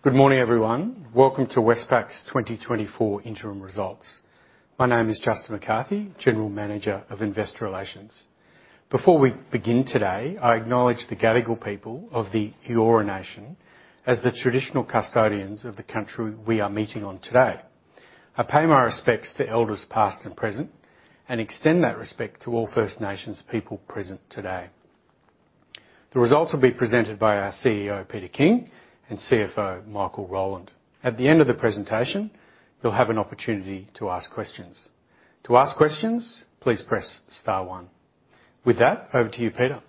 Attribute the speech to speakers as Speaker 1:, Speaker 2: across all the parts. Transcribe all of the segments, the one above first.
Speaker 1: Good morning, everyone. Welcome to Westpac's 2024 interim results. My name is Justin McCarthy, General Manager of Investor Relations. Before we begin today, I acknowledge the Gadigal people of the Eora Nation as the traditional custodians of the country we are meeting on today. I pay my respects to elders, past and present, and extend that respect to all First Nations people present today. The results will be presented by our CEO, Peter King, and CFO, Michael Rowland. At the end of the presentation, you'll have an opportunity to ask questions. To ask questions, please press star one. With that, over to you, Peter.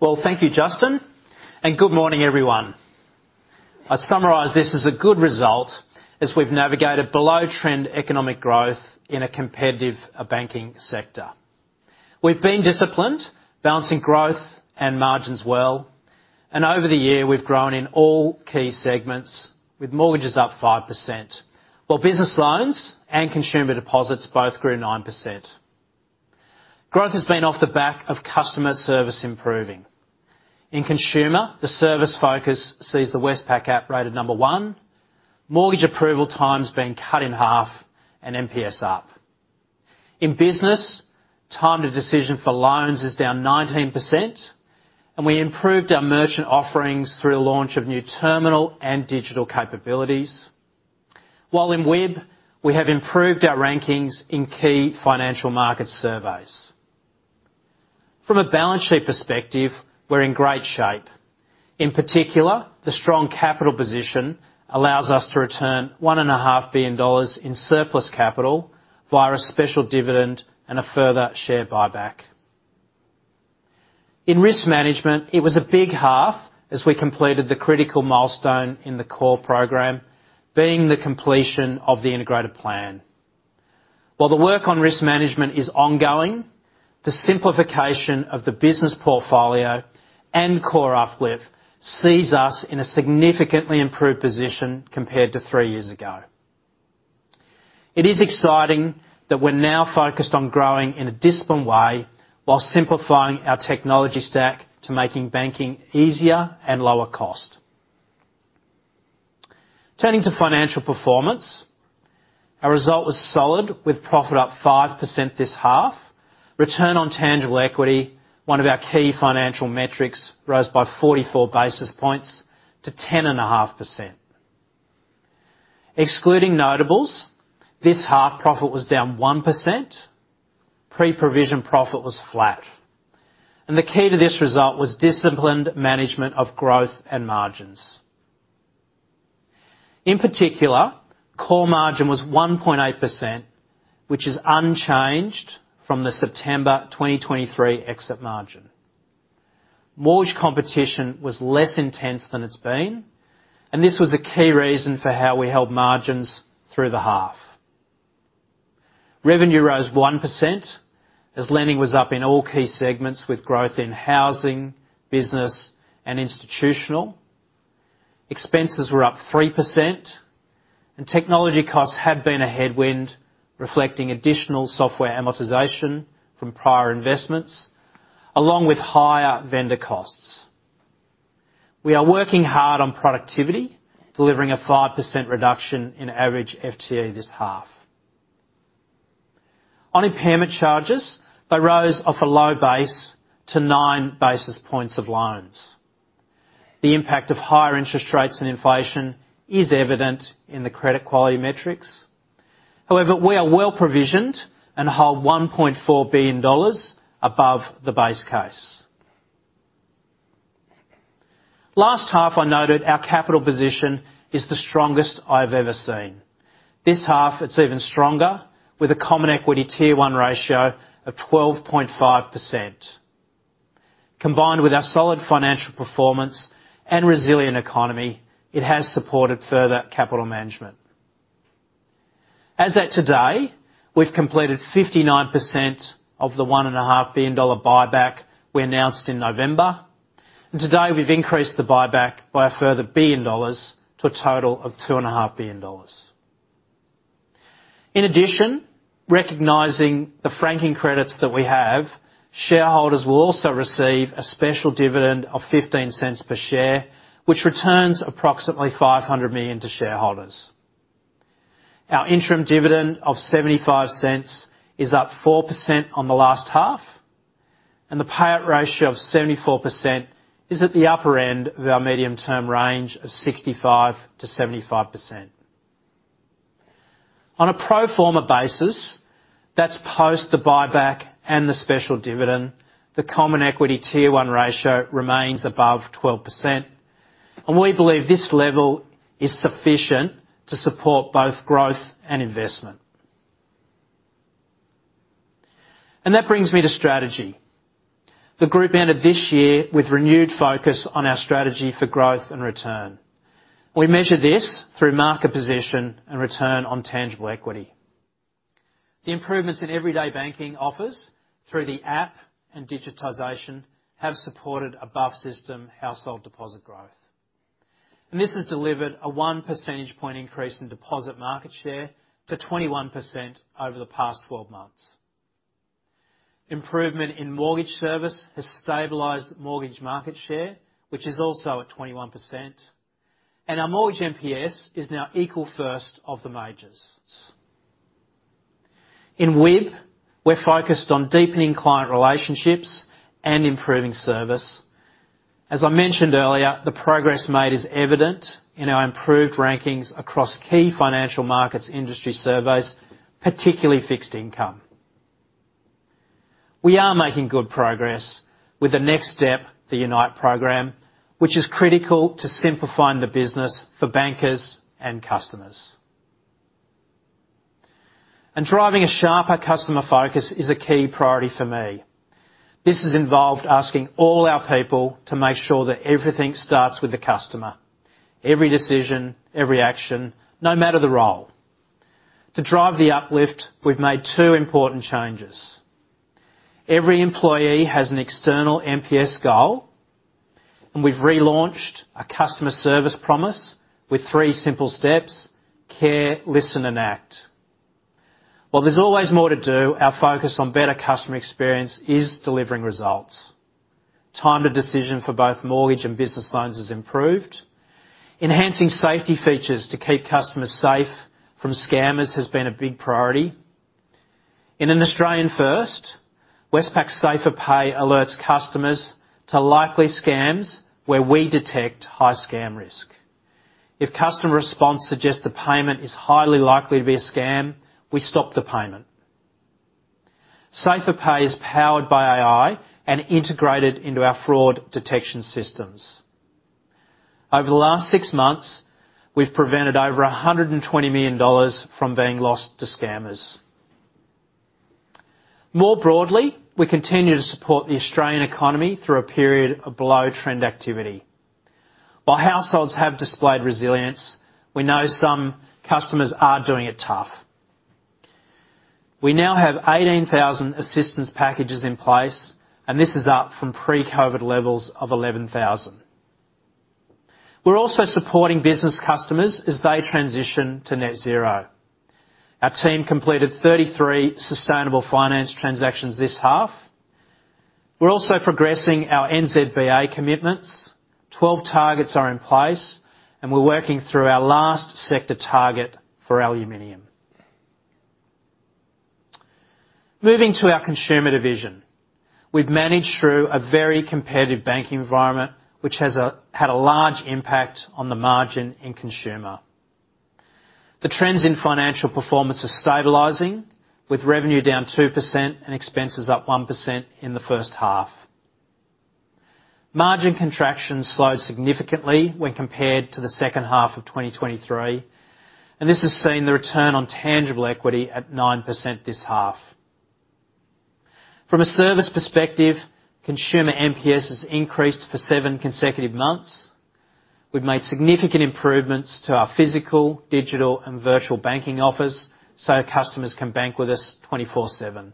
Speaker 2: Well, thank you, Justin, and good morning, everyone. I summarize this as a good result as we've navigated below-trend economic growth in a competitive banking sector. We've been disciplined, balancing growth and margins well, and over the year, we've grown in all key segments, with mortgages up 5%, while Business loans and Consumer deposits both grew 9%. Growth has been off the back of customer service improving. In Consumer, the service focus sees the Westpac App rated number one, mortgage approval times being cut in half, and NPS up. In Business, time to decision for loans is down 19%, and we improved our merchant offerings through the launch of new terminal and digital capabilities. While in WIB, we have improved our rankings in key financial market surveys. From a balance sheet perspective, we're in great shape. In particular, the strong capital position allows us to return 1.5 billion dollars in surplus capital via a special dividend and a further share buyback. In risk management, it was a big half as we completed the critical milestone in the CORE program, being the completion of the integrated plan. While the work on risk management is ongoing, the simplification of the business portfolio and core uplift sees us in a significantly improved position compared to 3 years ago. It is exciting that we're now focused on growing in a disciplined way, while simplifying our technology stack to making banking easier and lower cost. Turning to financial performance, our result was solid, with profit up 5% this half. Return on tangible equity, one of our key financial metrics, rose by 44 basis points to 10.5%. Excluding notables, this half profit was down 1%, pre-provision profit was flat, and the key to this result was disciplined management of growth and margins. In particular, core margin was 1.8%, which is unchanged from the September 2023 exit margin. Mortgage competition was less intense than it's been, and this was a key reason for how we held margins through the half. Revenue rose 1%, as lending was up in all key segments with growth in housing, business, and Institutional. Expenses were up 3%, and technology costs have been a headwind, reflecting additional software amortization from prior investments, along with higher vendor costs. We are working hard on productivity, delivering a 5% reduction in average FTE this half. On impairment charges, they rose off a low base to nine basis points of loans. The impact of higher interest rates and inflation is evident in the credit quality metrics. However, we are well-provisioned and hold 1.4 billion dollars above the base case. Last half, I noted our capital position is the strongest I've ever seen. This half, it's even stronger, with a Common Equity Tier 1 ratio of 12.5%. Combined with our solid financial performance and resilient economy, it has supported further capital management. As at today, we've completed 59% of the 1.5 billion dollar buyback we announced in November, and today, we've increased the buyback by a further 1 billion dollars, to a total of 2.5 billion dollars. In addition, recognizing the franking credits that we have, shareholders will also receive a special dividend of 0.15 per share, which returns approximately 500 million to shareholders. Our interim dividend of 0.75 is up 4% on the last half, and the payout ratio of 74% is at the upper end of our medium-term range of 65%-75%. On a pro forma basis, that's post the buyback and the special dividend, the common equity Tier 1 ratio remains above 12%, and we believe this level is sufficient to support both growth and investment. That brings me to strategy. The group ended this year with renewed focus on our strategy for growth and return. We measure this through market position and return on tangible equity. The improvements in everyday banking offers through the app and digitization have supported above-system household deposit growth, and this has delivered a 1 percentage point increase in deposit market share to 21% over the past 12 months.... Improvement in mortgage service has stabilized mortgage market share, which is also at 21%, and our mortgage NPS is now equal first of the majors. In WIB, we're focused on deepening client relationships and improving service. As I mentioned earlier, the progress made is evident in our improved rankings across key financial markets, industry surveys, particularly fixed income. We are making good progress with the next step, the Unite program, which is critical to simplifying the business for bankers and customers. Driving a sharper customer focus is a key priority for me. This has involved asking all our people to make sure that everything starts with the customer, every decision, every action, no matter the role. To drive the uplift, we've made two important changes. Every employee has an external NPS goal, and we've relaunched a customer service promise with three simple steps: care, listen, and act. While there's always more to do, our focus on better customer experience is delivering results. Time to decision for both mortgage and business loans has improved. Enhancing safety features to keep customers safe from scammers has been a big priority. In an Australian first, Westpac SaferPay alerts customers to likely scams where we detect high scam risk. If customer response suggests the payment is highly likely to be a scam, we stop the payment. SaferPay is powered by AI and integrated into our fraud detection systems. Over the last six months, we've prevented over 120 million dollars from being lost to scammers. More broadly, we continue to support the Australian economy through a period of below-trend activity. While households have displayed resilience, we know some customers are doing it tough. We now have 18,000 assistance packages in place, and this is up from pre-COVID levels of 11,000. We're also supporting business customers as they transition to net zero. Our team completed 33 sustainable finance transactions this half. We're also progressing our NZBA commitments. 12 targets are in place, and we're working through our last sector target for aluminum. Moving to our Consumer division. We've managed through a very competitive banking environment, which has had a large impact on the margin in Consumer. The trends in financial performance are stabilizing, with revenue down 2% and expenses up 1% in the first half. Margin contraction slowed significantly when compared to the second half of 2023, and this has seen the return on tangible equity at 9% this half. From a service perspective, Consumer NPS has increased for seven consecutive months. We've made significant improvements to our physical, digital, and virtual banking office, so customers can bank with us 24/7.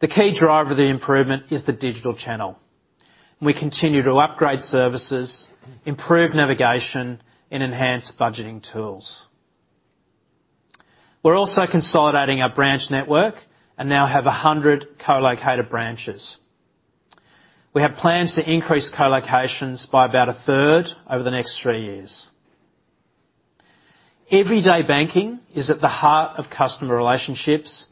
Speaker 2: The key driver of the improvement is the digital channel. We continue to upgrade services, improve navigation, and enhance budgeting tools. We're also consolidating our branch network and now have 100 co-located branches. We have plans to increase co-locations by about a third over the next 3 years. Everyday banking is at the heart of customer relationships,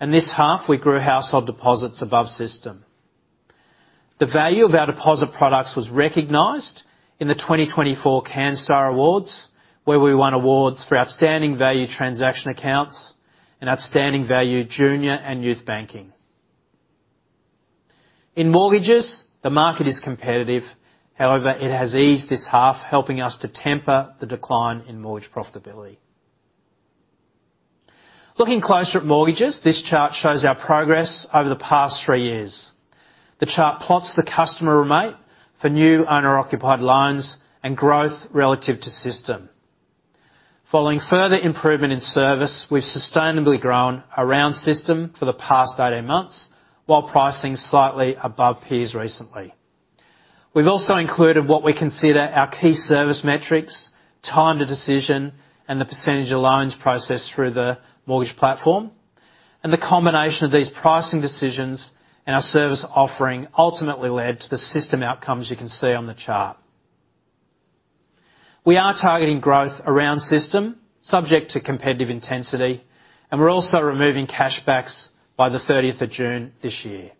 Speaker 2: and this half, we grew household deposits above system. The value of our deposit products was recognized in the 2024 Canstar Awards, where we won awards for outstanding value transaction accounts and outstanding value junior and youth banking. In mortgages, the market is competitive. However, it has eased this half, helping us to temper the decline in mortgage profitability. Looking closer at mortgages, this chart shows our progress over the past 3 years. The chart plots the customer remortgage for new owner-occupied loans and growth relative to system. Following further improvement in service, we've sustainably grown around system for the past 18 months, while pricing slightly above peers recently. We've also included what we consider our key service metrics, time to decision, and the percentage of loans processed through the mortgage platform, and the combination of these pricing decisions and our service offering ultimately led to the system outcomes you can see on the chart. We are targeting growth around system, subject to competitive intensity, and we're also removing cashbacks by the 30th of June this year.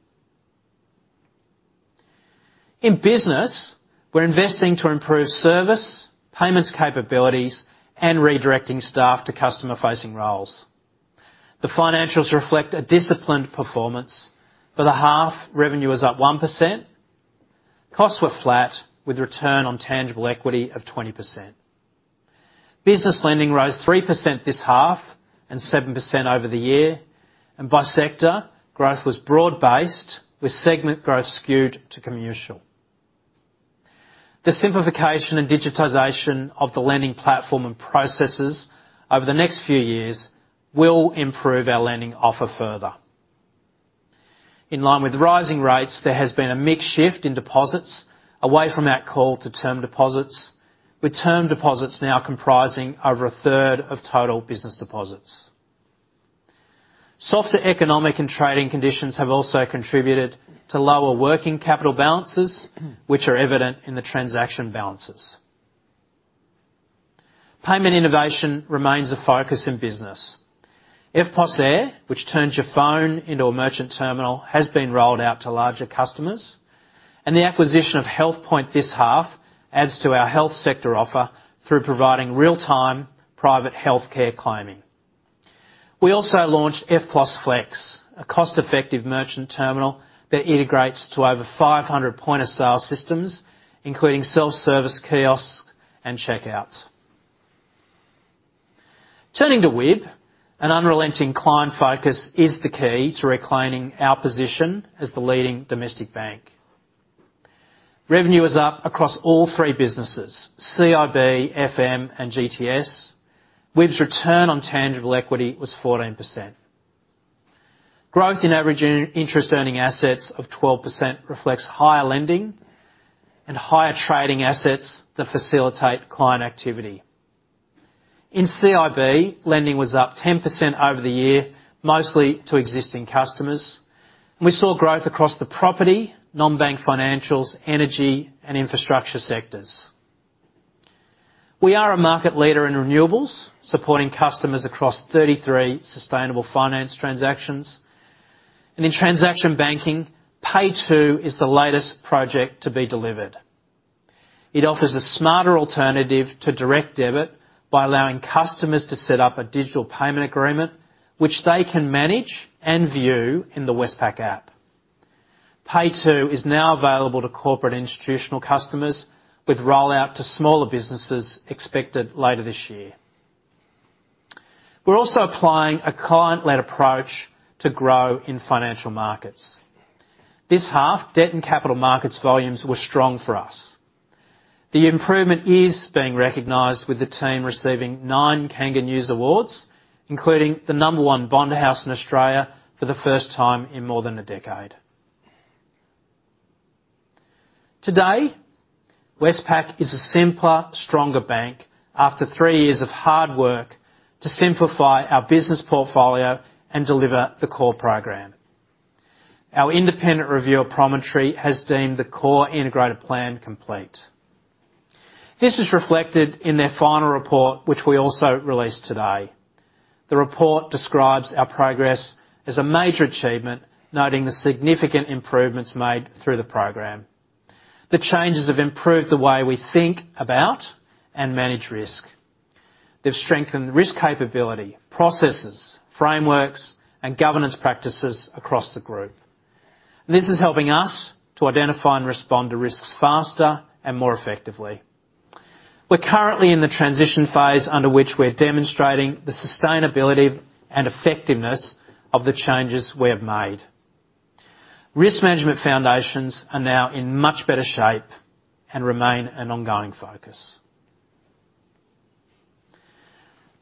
Speaker 2: In business, we're investing to improve service, payments capabilities, and redirecting staff to customer-facing roles. The financials reflect a disciplined performance. For the half, revenue is up 1%, costs were flat, with return on tangible equity of 20%. Business lending rose 3% this half and 7% over the year, and by sector, growth was broad-based, with segment growth skewed to commercial. The simplification and digitization of the lending platform and processes over the next few years will improve our lending offer further. In line with rising rates, there has been a mixed shift in deposits away from our call to term deposits, with term deposits now comprising over a third of total business deposits. Softer economic and trading conditions have also contributed to lower working capital balances, which are evident in the transaction balances. Payment innovation remains a focus in business. EFTPOS Air, which turns your phone into a merchant terminal, has been rolled out to larger customers, and the acquisition of HealthPoint this half adds to our health sector offer through providing real-time private healthcare claiming. We also launched EFTPOS Flex, a cost-effective merchant terminal that integrates to over 500 point-of-sale systems, including self-service kiosk and checkouts. Turning to WIB, an unrelenting client focus is the key to reclaiming our position as the leading domestic bank. Revenue is up across all three businesses, CIB, FM, and GTS. WIB's return on tangible equity was 14%. Growth in average in- interest earning assets of 12% reflects higher lending and higher trading assets that facilitate client activity. In CIB, lending was up 10% over the year, mostly to existing customers. We saw growth across the property, non-bank financials, energy, and infrastructure sectors. We are a market leader in renewables, supporting customers across 33 sustainable finance transactions. In transaction banking, PayTo is the latest project to be delivered. It offers a smarter alternative to direct debit by allowing customers to set up a digital payment agreement, which they can manage and view in the Westpac App. PayTo is now available to corporate institutional customers, with rollout to smaller businesses expected later this year. We're also applying a client-led approach to grow in financial markets. This half, debt and capital markets volumes were strong for us. The improvement is being recognized, with the team receiving nine KangaNews Awards, including the number one bond house in Australia for the first time in more than a decade. Today, Westpac is a simpler, stronger bank after three years of hard work to simplify our business portfolio and deliver the CORE program. Our independent review of Promontory has deemed the CORE Integrated Plan complete. This is reflected in their final report, which we also released today. The report describes our progress as a major achievement, noting the significant improvements made through the program. The changes have improved the way we think about and manage risk. They've strengthened risk capability, processes, frameworks, and governance practices across the group. This is helping us to identify and respond to risks faster and more effectively. We're currently in the transition phase, under which we're demonstrating the sustainability and effectiveness of the changes we have made. Risk management foundations are now in much better shape and remain an ongoing focus.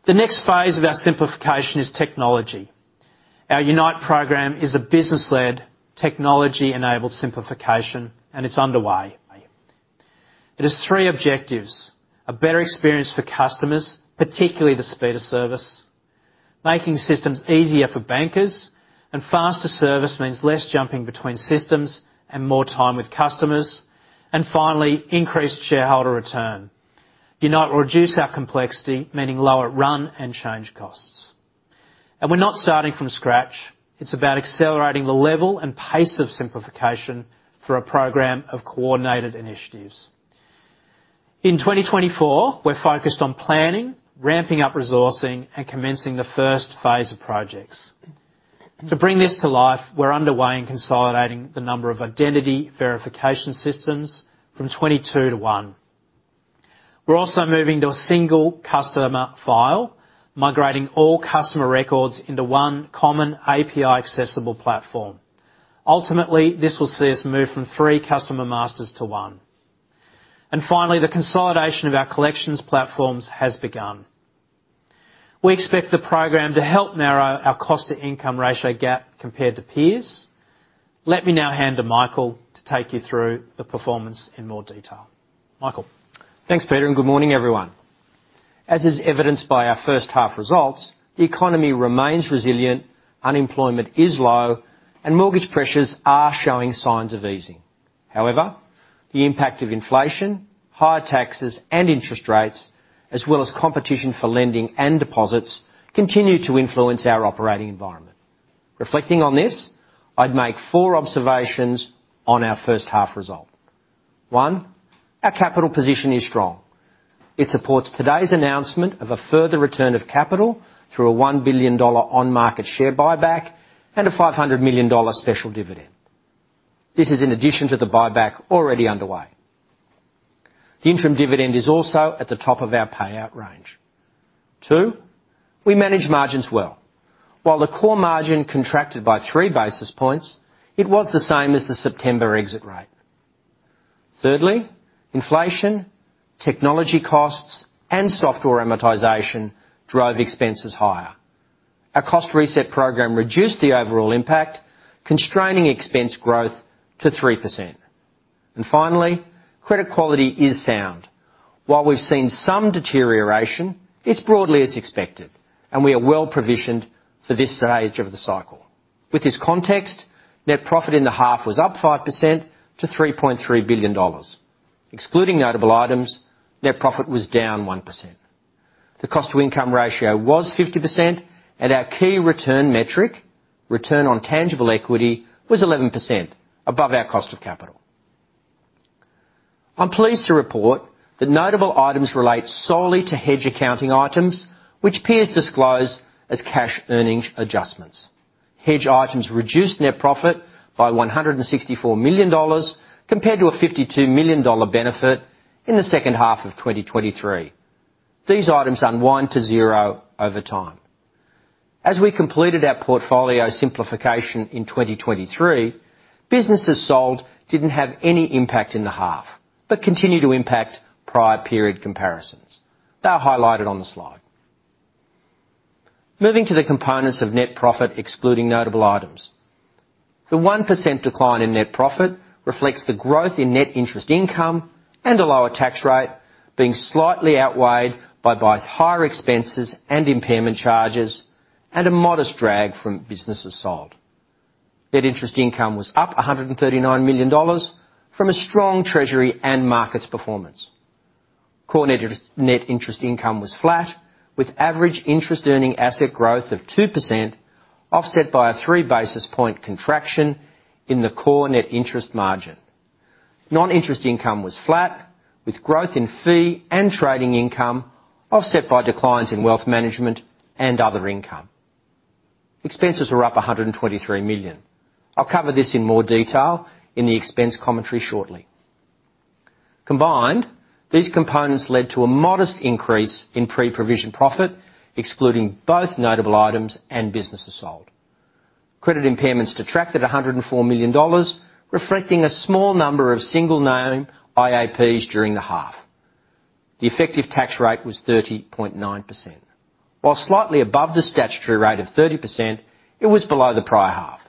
Speaker 2: The next phase of our simplification is technology. Our Unite program is a business-led, technology-enabled simplification, and it's underway. It has three objectives: a better experience for customers, particularly the speed of service, making systems easier for bankers, and faster service means less jumping between systems and more time with customers. And finally, increased shareholder return. Unite will reduce our complexity, meaning lower run and change costs. And we're not starting from scratch. It's about accelerating the level and pace of simplification through a program of coordinated initiatives. In 2024, we're focused on planning, ramping up resourcing, and commencing the first phase of projects. To bring this to life, we're underway in consolidating the number of identity verification systems from 22 to one. We're also moving to a single customer file, migrating all customer records into one common API-accessible platform. Ultimately, this will see us move from three customer masters to one. And finally, the consolidation of our collections platforms has begun. We expect the program to help narrow our cost-to-income ratio gap compared to peers. Let me now hand to Michael to take you through the performance in more detail. Michael?
Speaker 3: Thanks, Peter, and good morning, everyone. As is evidenced by our first half results, the economy remains resilient, unemployment is low, and mortgage pressures are showing signs of easing. However, the impact of inflation, higher taxes and interest rates, as well as competition for lending and deposits, continue to influence our operating environment. Reflecting on this, I'd make four observations on our first half result. One, our capital position is strong. It supports today's announcement of a further return of capital through a 1 billion dollar on-market share buyback and a 500 million dollar special dividend. This is in addition to the buyback already underway. The interim dividend is also at the top of our payout range. Two, we manage margins well. While the core margin contracted by three basis points, it was the same as the September exit rate. Thirdly, inflation, technology costs, and software amortization drove expenses higher.... Our Cost Reset program reduced the overall impact, constraining expense growth to 3%. And finally, credit quality is sound. While we've seen some deterioration, it's broadly as expected, and we are well provisioned for this stage of the cycle. With this context, net profit in the half was up 5% to 3.3 billion dollars. Excluding notable items, net profit was down 1%. The cost to income ratio was 50%, and our key return metric, return on tangible equity, was 11%, above our cost of capital. I'm pleased to report that notable items relate solely to hedge accounting items, which peers disclose as cash earnings adjustments. Hedge items reduced net profit by 164 million dollars, compared to a 52 million dollar benefit in the second half of 2023. These items unwind to zero over time. As we completed our portfolio simplification in 2023, businesses sold didn't have any impact in the half, but continued to impact prior period comparisons. They are highlighted on the slide. Moving to the components of net profit, excluding notable items. The 1% decline in net profit reflects the growth in net interest income and a lower tax rate being slightly outweighed by both higher expenses and impairment charges, and a modest drag from businesses sold. Net interest income was up AUD 139 million from a strong treasury and markets performance. Core net interest income was flat, with average interest earning asset growth of 2%, offset by a three basis point contraction in the core net interest margin. Non-interest income was flat, with growth in fee and trading income offset by declines in wealth management and other income. Expenses were up 123 million. I'll cover this in more detail in the expense commentary shortly. Combined, these components led to a modest increase in pre-provision profit, excluding both notable items and businesses sold. Credit impairments detracted 104 million dollars, reflecting a small number of single-name IAPs during the half. The effective tax rate was 30.9%. While slightly above the statutory rate of 30%, it was below the prior half.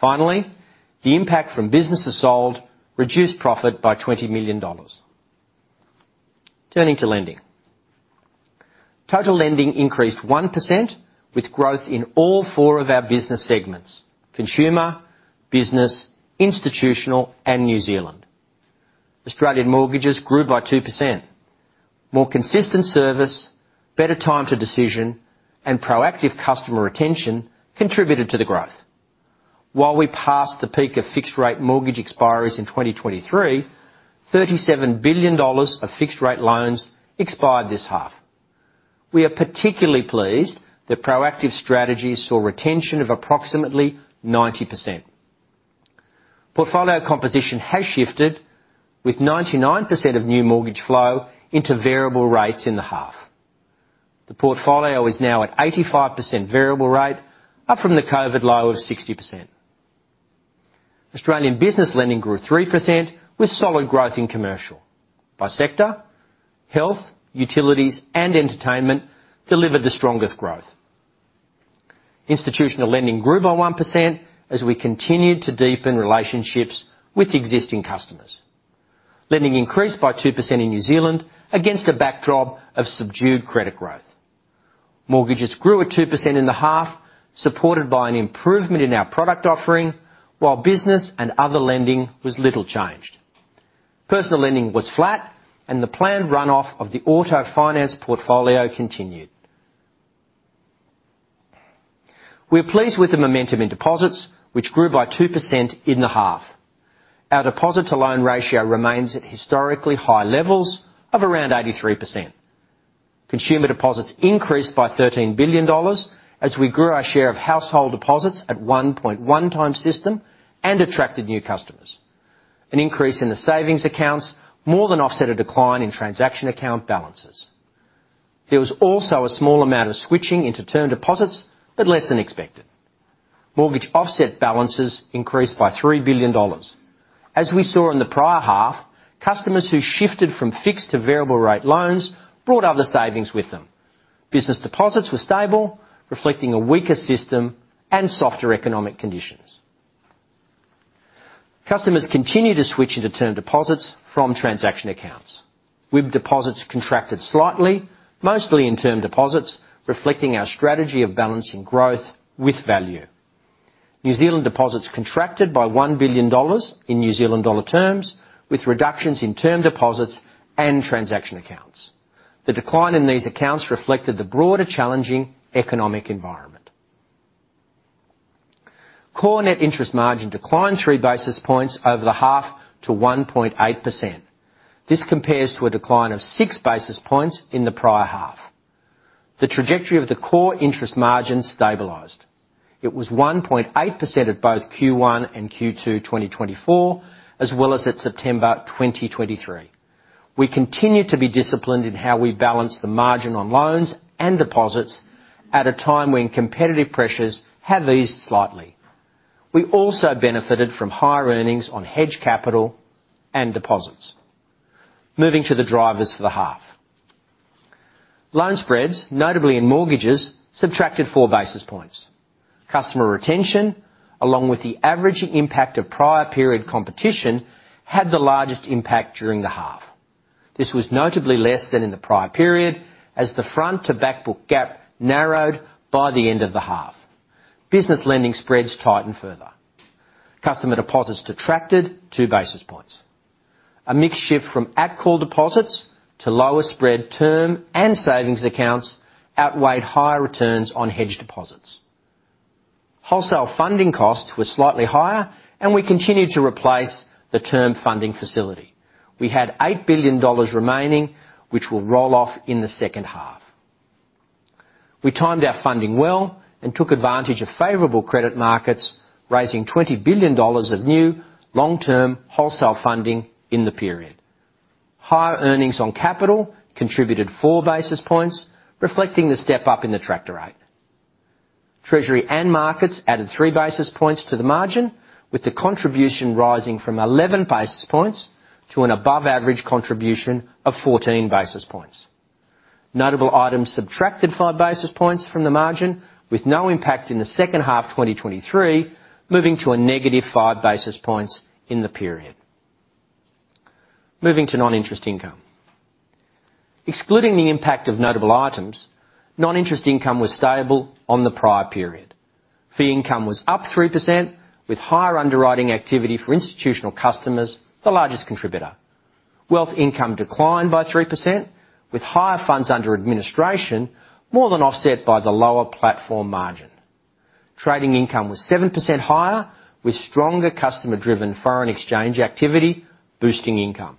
Speaker 3: Finally, the impact from businesses sold reduced profit by 20 million dollars. Turning to lending. Total lending increased 1%, with growth in all four of our business segments: Consumer, business, institutional, and New Zealand. Australian mortgages grew by 2%. More consistent service, better time to decision, and proactive customer retention contributed to the growth. While we passed the peak of fixed-rate mortgage expiries in 2023, 37 billion dollars of fixed-rate loans expired this half. We are particularly pleased that proactive strategies saw retention of approximately 90%. Portfolio composition has shifted, with 99% of new mortgage flow into variable rates in the half. The portfolio is now at 85% variable rate, up from the COVID low of 60%. Australian business lending grew 3%, with solid growth in commercial. By sector, health, utilities, and entertainment delivered the strongest growth. Institutional lending grew by 1% as we continued to deepen relationships with existing customers. Lending increased by 2% in New Zealand against a backdrop of subdued credit growth. Mortgages grew at 2% in the half, supported by an improvement in our product offering, while business and other lending was little changed. Personal lending was flat, and the planned run-off of the auto finance portfolio continued. We're pleased with the momentum in deposits, which grew by 2% in the half. Our deposit to loan ratio remains at historically high levels of around 83%. Consumer deposits increased by AUD 13 billion, as we grew our share of household deposits at 1.1 times system and attracted new customers. An increase in the savings accounts more than offset a decline in transaction account balances. There was also a small amount of switching into term deposits, but less than expected. Mortgage offset balances increased by 3 billion dollars. As we saw in the prior half, customers who shifted from fixed to variable rate loans brought other savings with them. Business deposits were stable, reflecting a weaker system and softer economic conditions. Customers continued to switch into term deposits from transaction accounts. WIB deposits contracted slightly, mostly in term deposits, reflecting our strategy of balancing growth with value. New Zealand deposits contracted by 1 billion dollars in New Zealand dollar terms, with reductions in term deposits and transaction accounts. The decline in these accounts reflected the broader challenging economic environment. Core net interest margin declined 3 basis points over the half to 1.8%. This compares to a decline of 6 basis points in the prior half. The trajectory of the core interest margin stabilized. It was 1.8% at both Q1 and Q2 2024, as well as at September 2023. We continue to be disciplined in how we balance the margin on loans and deposits at a time when competitive pressures have eased slightly. We also benefited from higher earnings on hedged capital and deposits.... Moving to the drivers for the half. Loan spreads, notably in mortgages, subtracted four basis points. Customer retention, along with the average impact of prior period competition, had the largest impact during the half. This was notably less than in the prior period, as the front-to-back book gap narrowed by the end of the half. Business lending spreads tightened further. Customer deposits detracted two basis points. A mix shift from at-call deposits to lower spread term and savings accounts outweighed higher returns on hedged deposits. Wholesale funding costs were slightly higher, and we continued to replace the Term Funding Facility. We had 8 billion dollars remaining, which will roll off in the second half. We timed our funding well and took advantage of favorable credit markets, raising 20 billion dollars of new long-term wholesale funding in the period. Higher earnings on capital contributed 4 basis points, reflecting the step-up in the Tractor rate. Treasury and markets added 3 basis points to the margin, with the contribution rising from 11 basis points to an above-average contribution of 14 basis points. Notable items subtracted 5 basis points from the margin, with no impact in the second half of 2023, moving to a negative 5 basis points in the period. Moving to non-interest income. Excluding the impact of notable items, non-interest income was stable on the prior period. Fee income was up 3%, with higher underwriting activity for institutional customers, the largest contributor. Wealth income declined by 3%, with higher funds under administration more than offset by the lower platform margin. Trading income was 7% higher, with stronger customer-driven foreign exchange activity boosting income.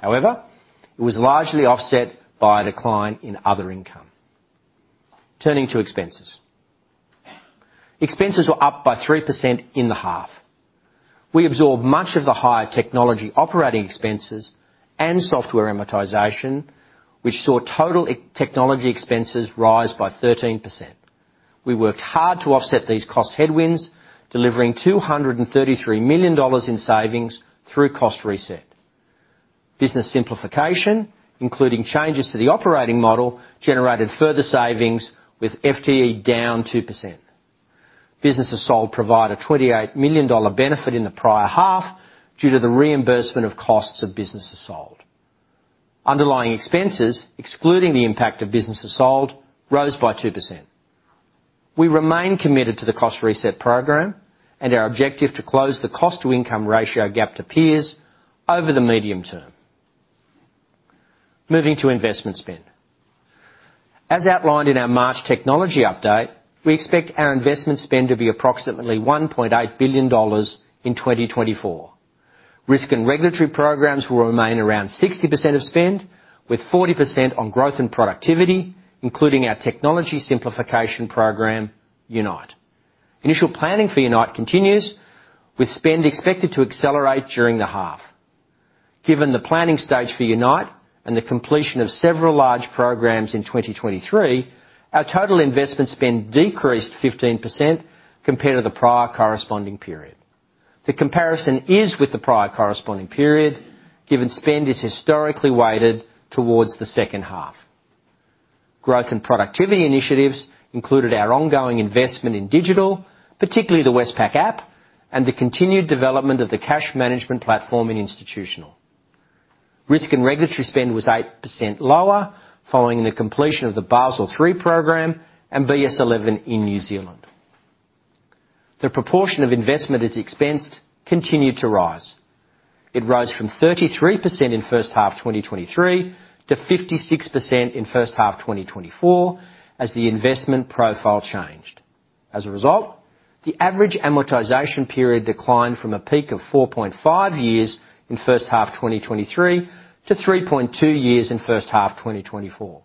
Speaker 3: However, it was largely offset by a decline in other income. Turning to expenses. Expenses were up by 3% in the half. We absorbed much of the higher technology operating expenses and software amortization, which saw total technology expenses rise by 13%. We worked hard to offset these cost headwinds, delivering 233 million dollars in savings through cost reset. Business simplification, including changes to the operating model, generated further savings, with FTE down 2%. Businesses sold provided a 28 million dollar benefit in the prior half due to the reimbursement of costs of businesses sold. Underlying expenses, excluding the impact of businesses sold, rose by 2%. We remain committed to the Cost Reset program and our objective to close the cost-to-income ratio gap to peers over the medium term. Moving to investment spend. As outlined in our March technology update, we expect our investment spend to be approximately 1.8 billion dollars in 2024. Risk and regulatory programs will remain around 60% of spend, with 40% on growth and productivity, including our technology simplification program, Unite. Initial planning for Unite continues, with spend expected to accelerate during the half. Given the planning stage for Unite and the completion of several large programs in 2023, our total investment spend decreased 15% compared to the prior corresponding period. The comparison is with the prior corresponding period, given spend is historically weighted towards the second half. Growth and productivity initiatives included our ongoing investment in digital, particularly the Westpac App, and the continued development of the cash management platform in Institutional. Risk and regulatory spend was 8% lower, following the completion of the Basel III program and BS11 in New Zealand. The proportion of investment as expensed continued to rise. It rose from 33% in first half 2023 to 56% in first half 2024, as the investment profile changed. As a result, the average amortization period declined from a peak of 4.5 years in first half 2023 to 3.2 years in first half 2024.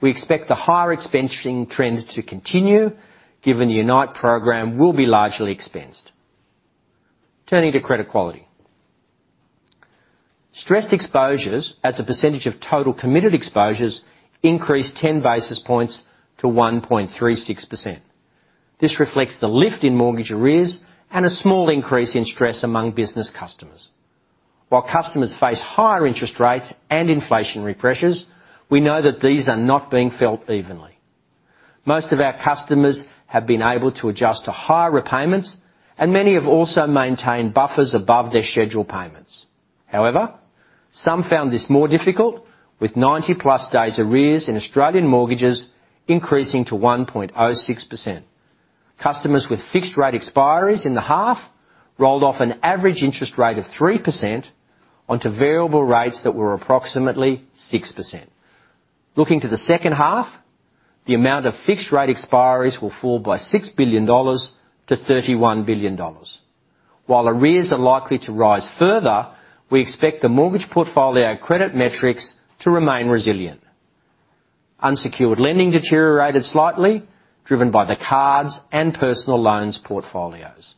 Speaker 3: We expect the higher expensing trend to continue, given the Unite program will be largely expensed. Turning to credit quality. Stressed exposures as a percentage of total committed exposures increased 10 basis points to 1.36%. This reflects the lift in mortgage arrears and a small increase in stress among business customers. While customers face higher interest rates and inflationary pressures, we know that these are not being felt evenly. Most of our customers have been able to adjust to higher repayments, and many have also maintained buffers above their scheduled payments. However, some found this more difficult, with 90+ days arrears in Australian mortgages increasing to 1.06%. Customers with fixed rate expiries in the half rolled off an average interest rate of 3% onto variable rates that were approximately 6%. Looking to the second half, the amount of fixed rate expiries will fall by 6 billion dollars to 31 billion dollars. While arrears are likely to rise further, we expect the mortgage portfolio and credit metrics to remain resilient. Unsecured lending deteriorated slightly, driven by the cards and personal loans portfolios.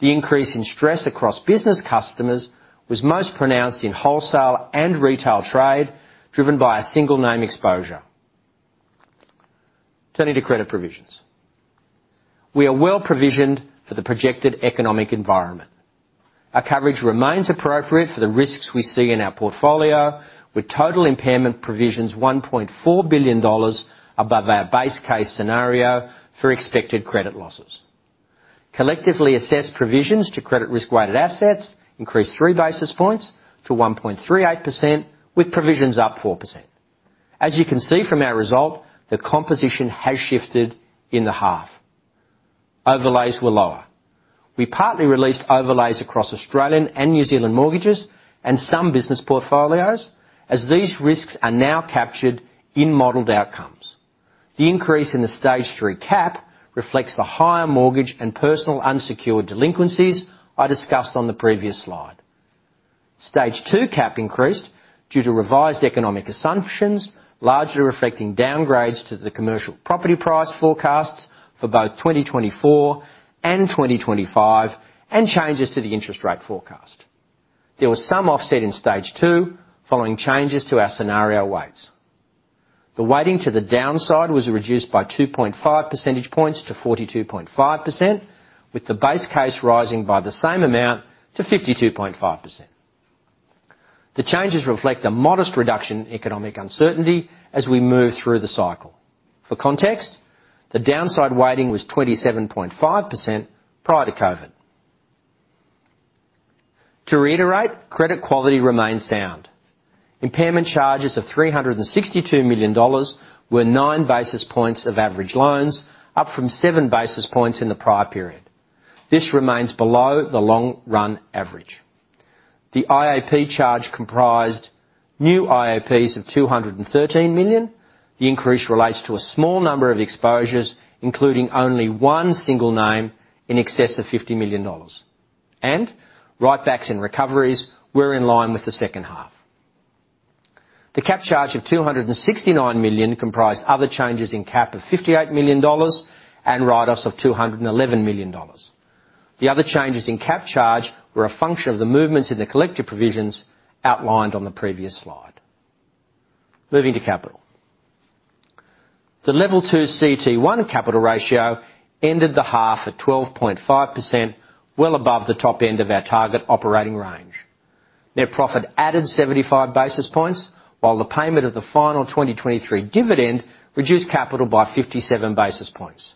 Speaker 3: The increase in stress across business customers was most pronounced in wholesale and retail trade, driven by a single name exposure. Turning to credit provisions. We are well provisioned for the projected economic environment. Our coverage remains appropriate for the risks we see in our portfolio, with total impairment provisions 1.4 billion dollars above our base case scenario for expected credit losses. Collectively assessed provisions to credit risk-weighted assets increased 3 basis points to 1.38%, with provisions up 4%. As you can see from our result, the composition has shifted in the half. Overlays were lower. We partly released overlays across Australian and New Zealand mortgages and some business portfolios, as these risks are now captured in modeled outcomes. The increase in the Stage 3 CAP reflects the higher mortgage and personal unsecured delinquencies I discussed on the previous slide. Stage 2 CAP increased due to revised economic assumptions, largely reflecting downgrades to the commercial property price forecasts for both 2024 and 2025, and changes to the interest rate forecast. There was some offset in Stage 2 following changes to our scenario weights. The weighting to the downside was reduced by 2.5 percentage points to 42.5%, with the base case rising by the same amount to 52.5%. The changes reflect a modest reduction in economic uncertainty as we move through the cycle. For context, the downside weighting was 27.5% prior to COVID. To reiterate, credit quality remains sound. Impairment charges of 362 million dollars were 9 basis points of average loans, up from 7 basis points in the prior period. This remains below the long-run average. The IAP charge comprised new IAPs of 213 million. The increase relates to a small number of exposures, including only one single name in excess of 50 million dollars. Write-backs and recoveries were in line with the second half. The CAP charge of 269 million comprised other changes in CAP of 58 million dollars and write-offs of 211 million dollars. The other changes in CAP charge were a function of the movements in the collective provisions outlined on the previous slide. Moving to capital. The Level two CET1 capital ratio ended the half at 12.5%, well above the top end of our target operating range. Net profit added 75 basis points, while the payment of the final 2023 dividend reduced capital by 57 basis points.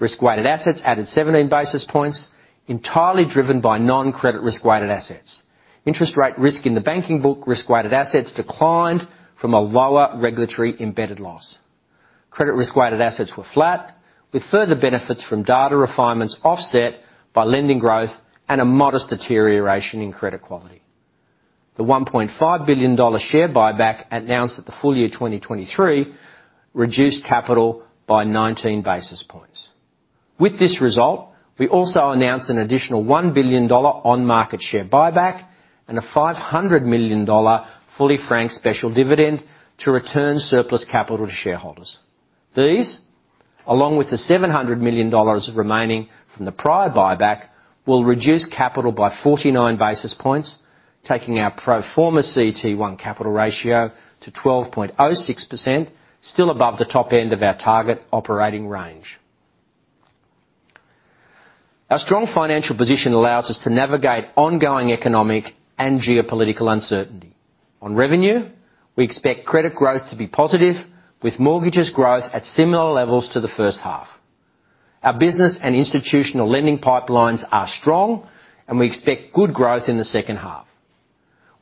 Speaker 3: Risk-weighted assets added 17 basis points, entirely driven by non-credit risk-weighted assets. Interest Rate Risk in the Banking Book risk-weighted assets declined from a lower regulatory embedded loss. Credit risk-weighted assets were flat, with further benefits from data refinements offset by lending growth and a modest deterioration in credit quality. The 1.5 billion dollar share buyback, announced at the full year 2023, reduced capital by 19 basis points. With this result, we also announced an additional 1 billion dollar on-market share buyback and a 500 million dollar fully franked special dividend to return surplus capital to shareholders. These, along with the 700 million dollars remaining from the prior buyback, will reduce capital by 49 basis points, taking our pro forma CET1 capital ratio to 12.06%, still above the top end of our target operating range. Our strong financial position allows us to navigate ongoing economic and geopolitical uncertainty. On revenue, we expect credit growth to be positive, with mortgages growth at similar levels to the first half. Our business and institutional lending pipelines are strong, and we expect good growth in the second half.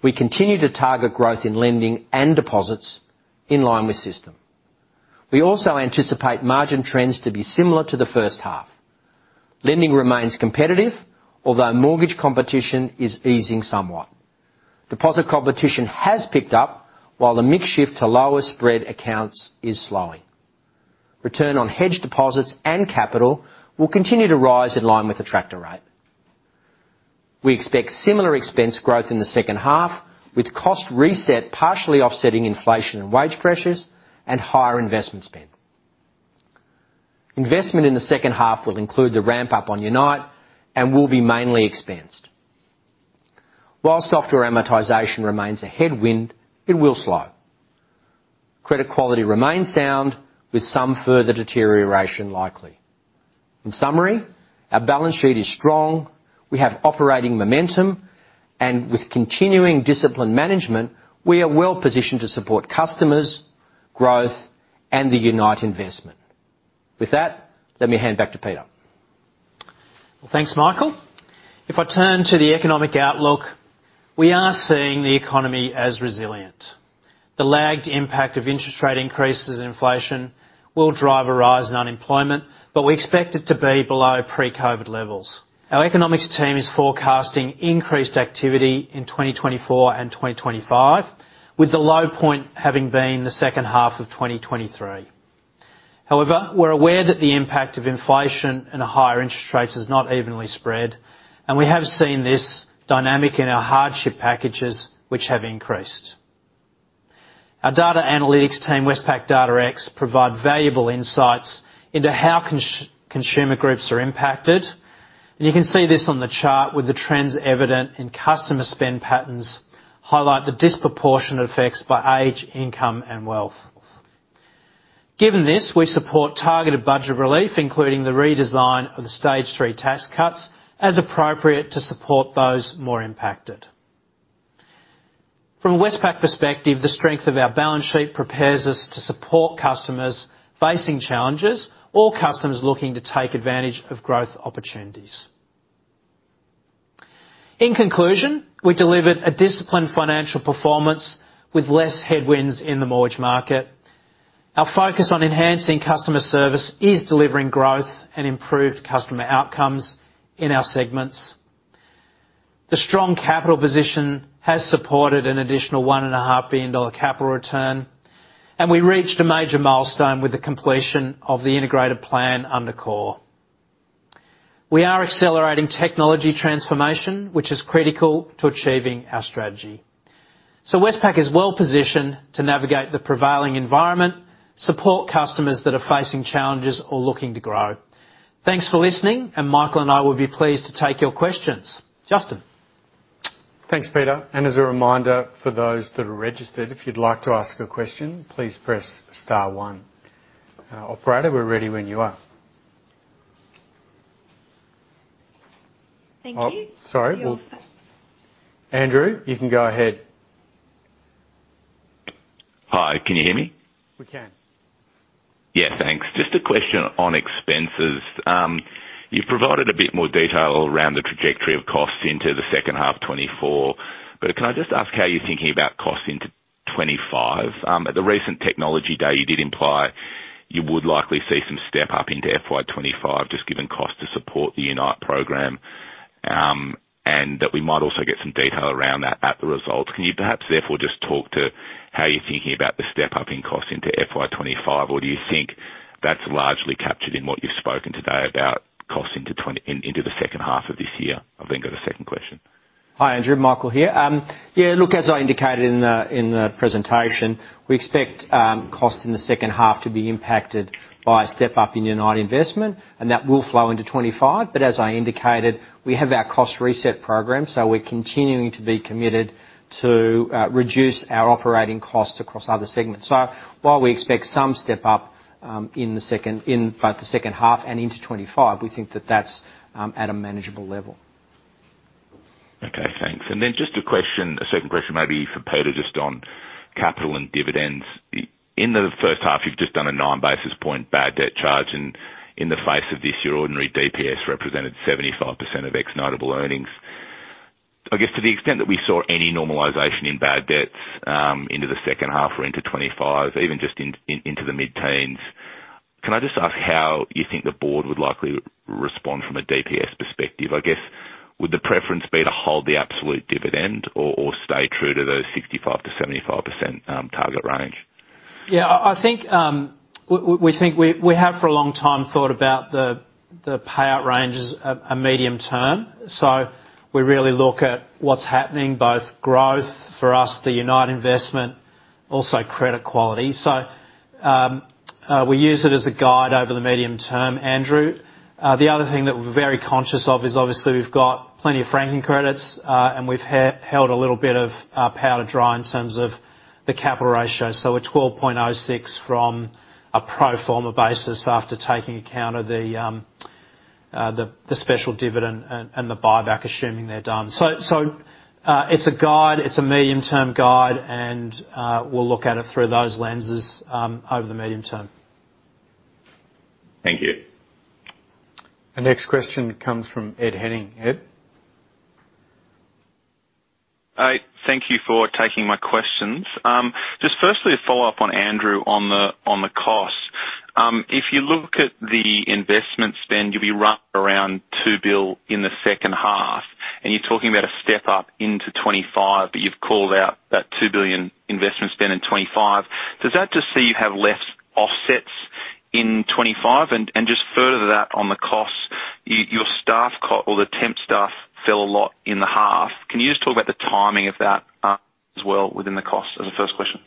Speaker 3: We continue to target growth in lending and deposits in line with system. We also anticipate margin trends to be similar to the first half. Lending remains competitive, although mortgage competition is easing somewhat. Deposit competition has picked up, while the mix shift to lower spread accounts is slowing. Return on hedged deposits and capital will continue to rise in line with the Tractor rate. We expect similar expense growth in the second half, with cost reset partially offsetting inflation and wage pressures and higher investment spend. Investment in the second half will include the ramp-up on Unite and will be mainly expensed. While software amortization remains a headwind, it will slow. Credit quality remains sound, with some further deterioration likely. In summary, our balance sheet is strong, we have operating momentum, and with continuing disciplined management, we are well positioned to support customers, growth, and the Unite investment. With that, let me hand back to Peter.
Speaker 2: Well, thanks, Michael. If I turn to the economic outlook, we are seeing the economy as resilient. The lagged impact of interest rate increases and inflation will drive a rise in unemployment, but we expect it to be below pre-COVID levels. Our economics team is forecasting increased activity in 2024 and 2025, with the low point having been the second half of 2023. However, we're aware that the impact of inflation and higher interest rates is not evenly spread, and we have seen this dynamic in our hardship packages, which have increased. Our data analytics team, Westpac DataX, provide valuable insights into how Consumer groups are impacted, and you can see this on the chart with the trends evident in customer spend patterns highlight the disproportionate effects by age, income, and wealth. Given this, we support targeted budget relief, including the redesign of the Stage 3 tax cuts, as appropriate, to support those more impacted. From a Westpac perspective, the strength of our balance sheet prepares us to support customers facing challenges or customers looking to take advantage of growth opportunities. In conclusion, we delivered a disciplined financial performance with less headwinds in the mortgage market. Our focus on enhancing customer service is delivering growth and improved customer outcomes in our segments. The strong capital position has supported an additional 1.5 billion dollar capital return, and we reached a major milestone with the completion of the Integrated Plan under CORE. We are accelerating technology transformation, which is critical to achieving our strategy. Westpac is well positioned to navigate the prevailing environment, support customers that are facing challenges or looking to grow. Thanks for listening, and Michael and I will be pleased to take your questions. Justin?
Speaker 1: Thanks, Peter. And as a reminder, for those that are registered, if you'd like to ask a question, please press star one. Operator, we're ready when you are.
Speaker 4: Thank you.
Speaker 1: Oh, sorry. We'll-- Andrew, you can go ahead.
Speaker 5: Hi, can you hear me?
Speaker 1: We can.
Speaker 5: Yeah, thanks. Just a question on expenses. You've provided a bit more detail around the trajectory of costs into the second half 2024, but can I just ask how you're thinking about costs into 2025? At the recent technology day, you did imply you would likely see some step up into FY 25, just given cost to support the Unite program. And that we might also get some detail around that at the results. Can you perhaps therefore just talk to how you're thinking about the step-up in costs into FY 25? Or do you think that's largely captured in what you've spoken today about costs into the second half of this year? I've then got a second question.
Speaker 2: Hi, Andrew, Michael here. Yeah, look, as I indicated in the presentation, we expect cost in the second half to be impacted by a step up in Unite investment, and that will flow into 25. But as I indicated, we have our Cost Reset program, so we're continuing to be committed to reduce our operating costs across other segments. So while we expect some step up in both the second half and into 25, we think that that's at a manageable level.
Speaker 5: Okay, thanks. And then just a question, a second question, maybe for Peter, just on capital and dividends. In the first half, you've just done a 9 basis point bad debt charge, and in the face of this, your ordinary DPS represented 75% of underlying earnings. I guess to the extent that we saw any normalization in bad debts into the second half or into 2025, even just into the mid-teens, can I just ask how you think the board would likely respond from a DPS perspective? I guess, would the preference be to hold the absolute dividend or stay true to those 65%-75% target range?
Speaker 2: Yeah, I think we think we have for a long time thought about the payout range as a medium term. So we really look at what's happening, both growth for us, the Unite investment, also credit quality. So we use it as a guide over the medium term, Andrew. The other thing that we're very conscious of is obviously we've got plenty of franking credits, and we've held a little bit of powder dry in terms of the capital ratio. So 12.06 from a pro forma basis after taking account of the special dividend and the buyback, assuming they're done. So it's a guide, it's a medium-term guide, and we'll look at it through those lenses over the medium term.
Speaker 5: Thank you.
Speaker 1: The next question comes from Ed Henning. Ed?
Speaker 6: Hi, thank you for taking my questions. Just firstly, to follow up on Andrew on the, on the cost. If you look at the investment spend, you'll be right around 2 billion in the second half, and you're talking about a step up into 2025, but you've called out that 2 billion investment spend in 2025. Does that just see you have less offsets in 2025? And just further that on the costs, your staff costs or the temp staff fell a lot in the half. Can you just talk about the timing of that, as well within the cost as a first question?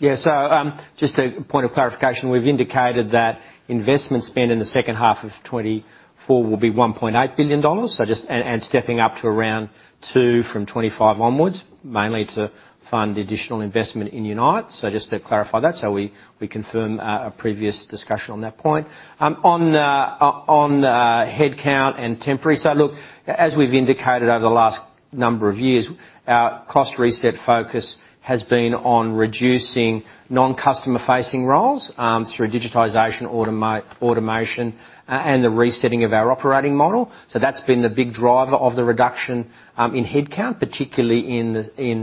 Speaker 3: Yeah. So, just a point of clarification, we've indicated that investment spend in the second half of 2024 will be 1.8 billion dollars. So just... And, and stepping up to around 2 billion from 2025 onwards, mainly to fund additional investment in Unite. So just to clarify that, so we, we confirm, a previous discussion on that point. On the, on, headcount and temporary, so look, as we've indicated over the last number of years, our cost reset focus has been on reducing non-customer facing roles, through digitization, automation, and the resetting of our operating model. So that's been the big driver of the reduction, in headcount, particularly in,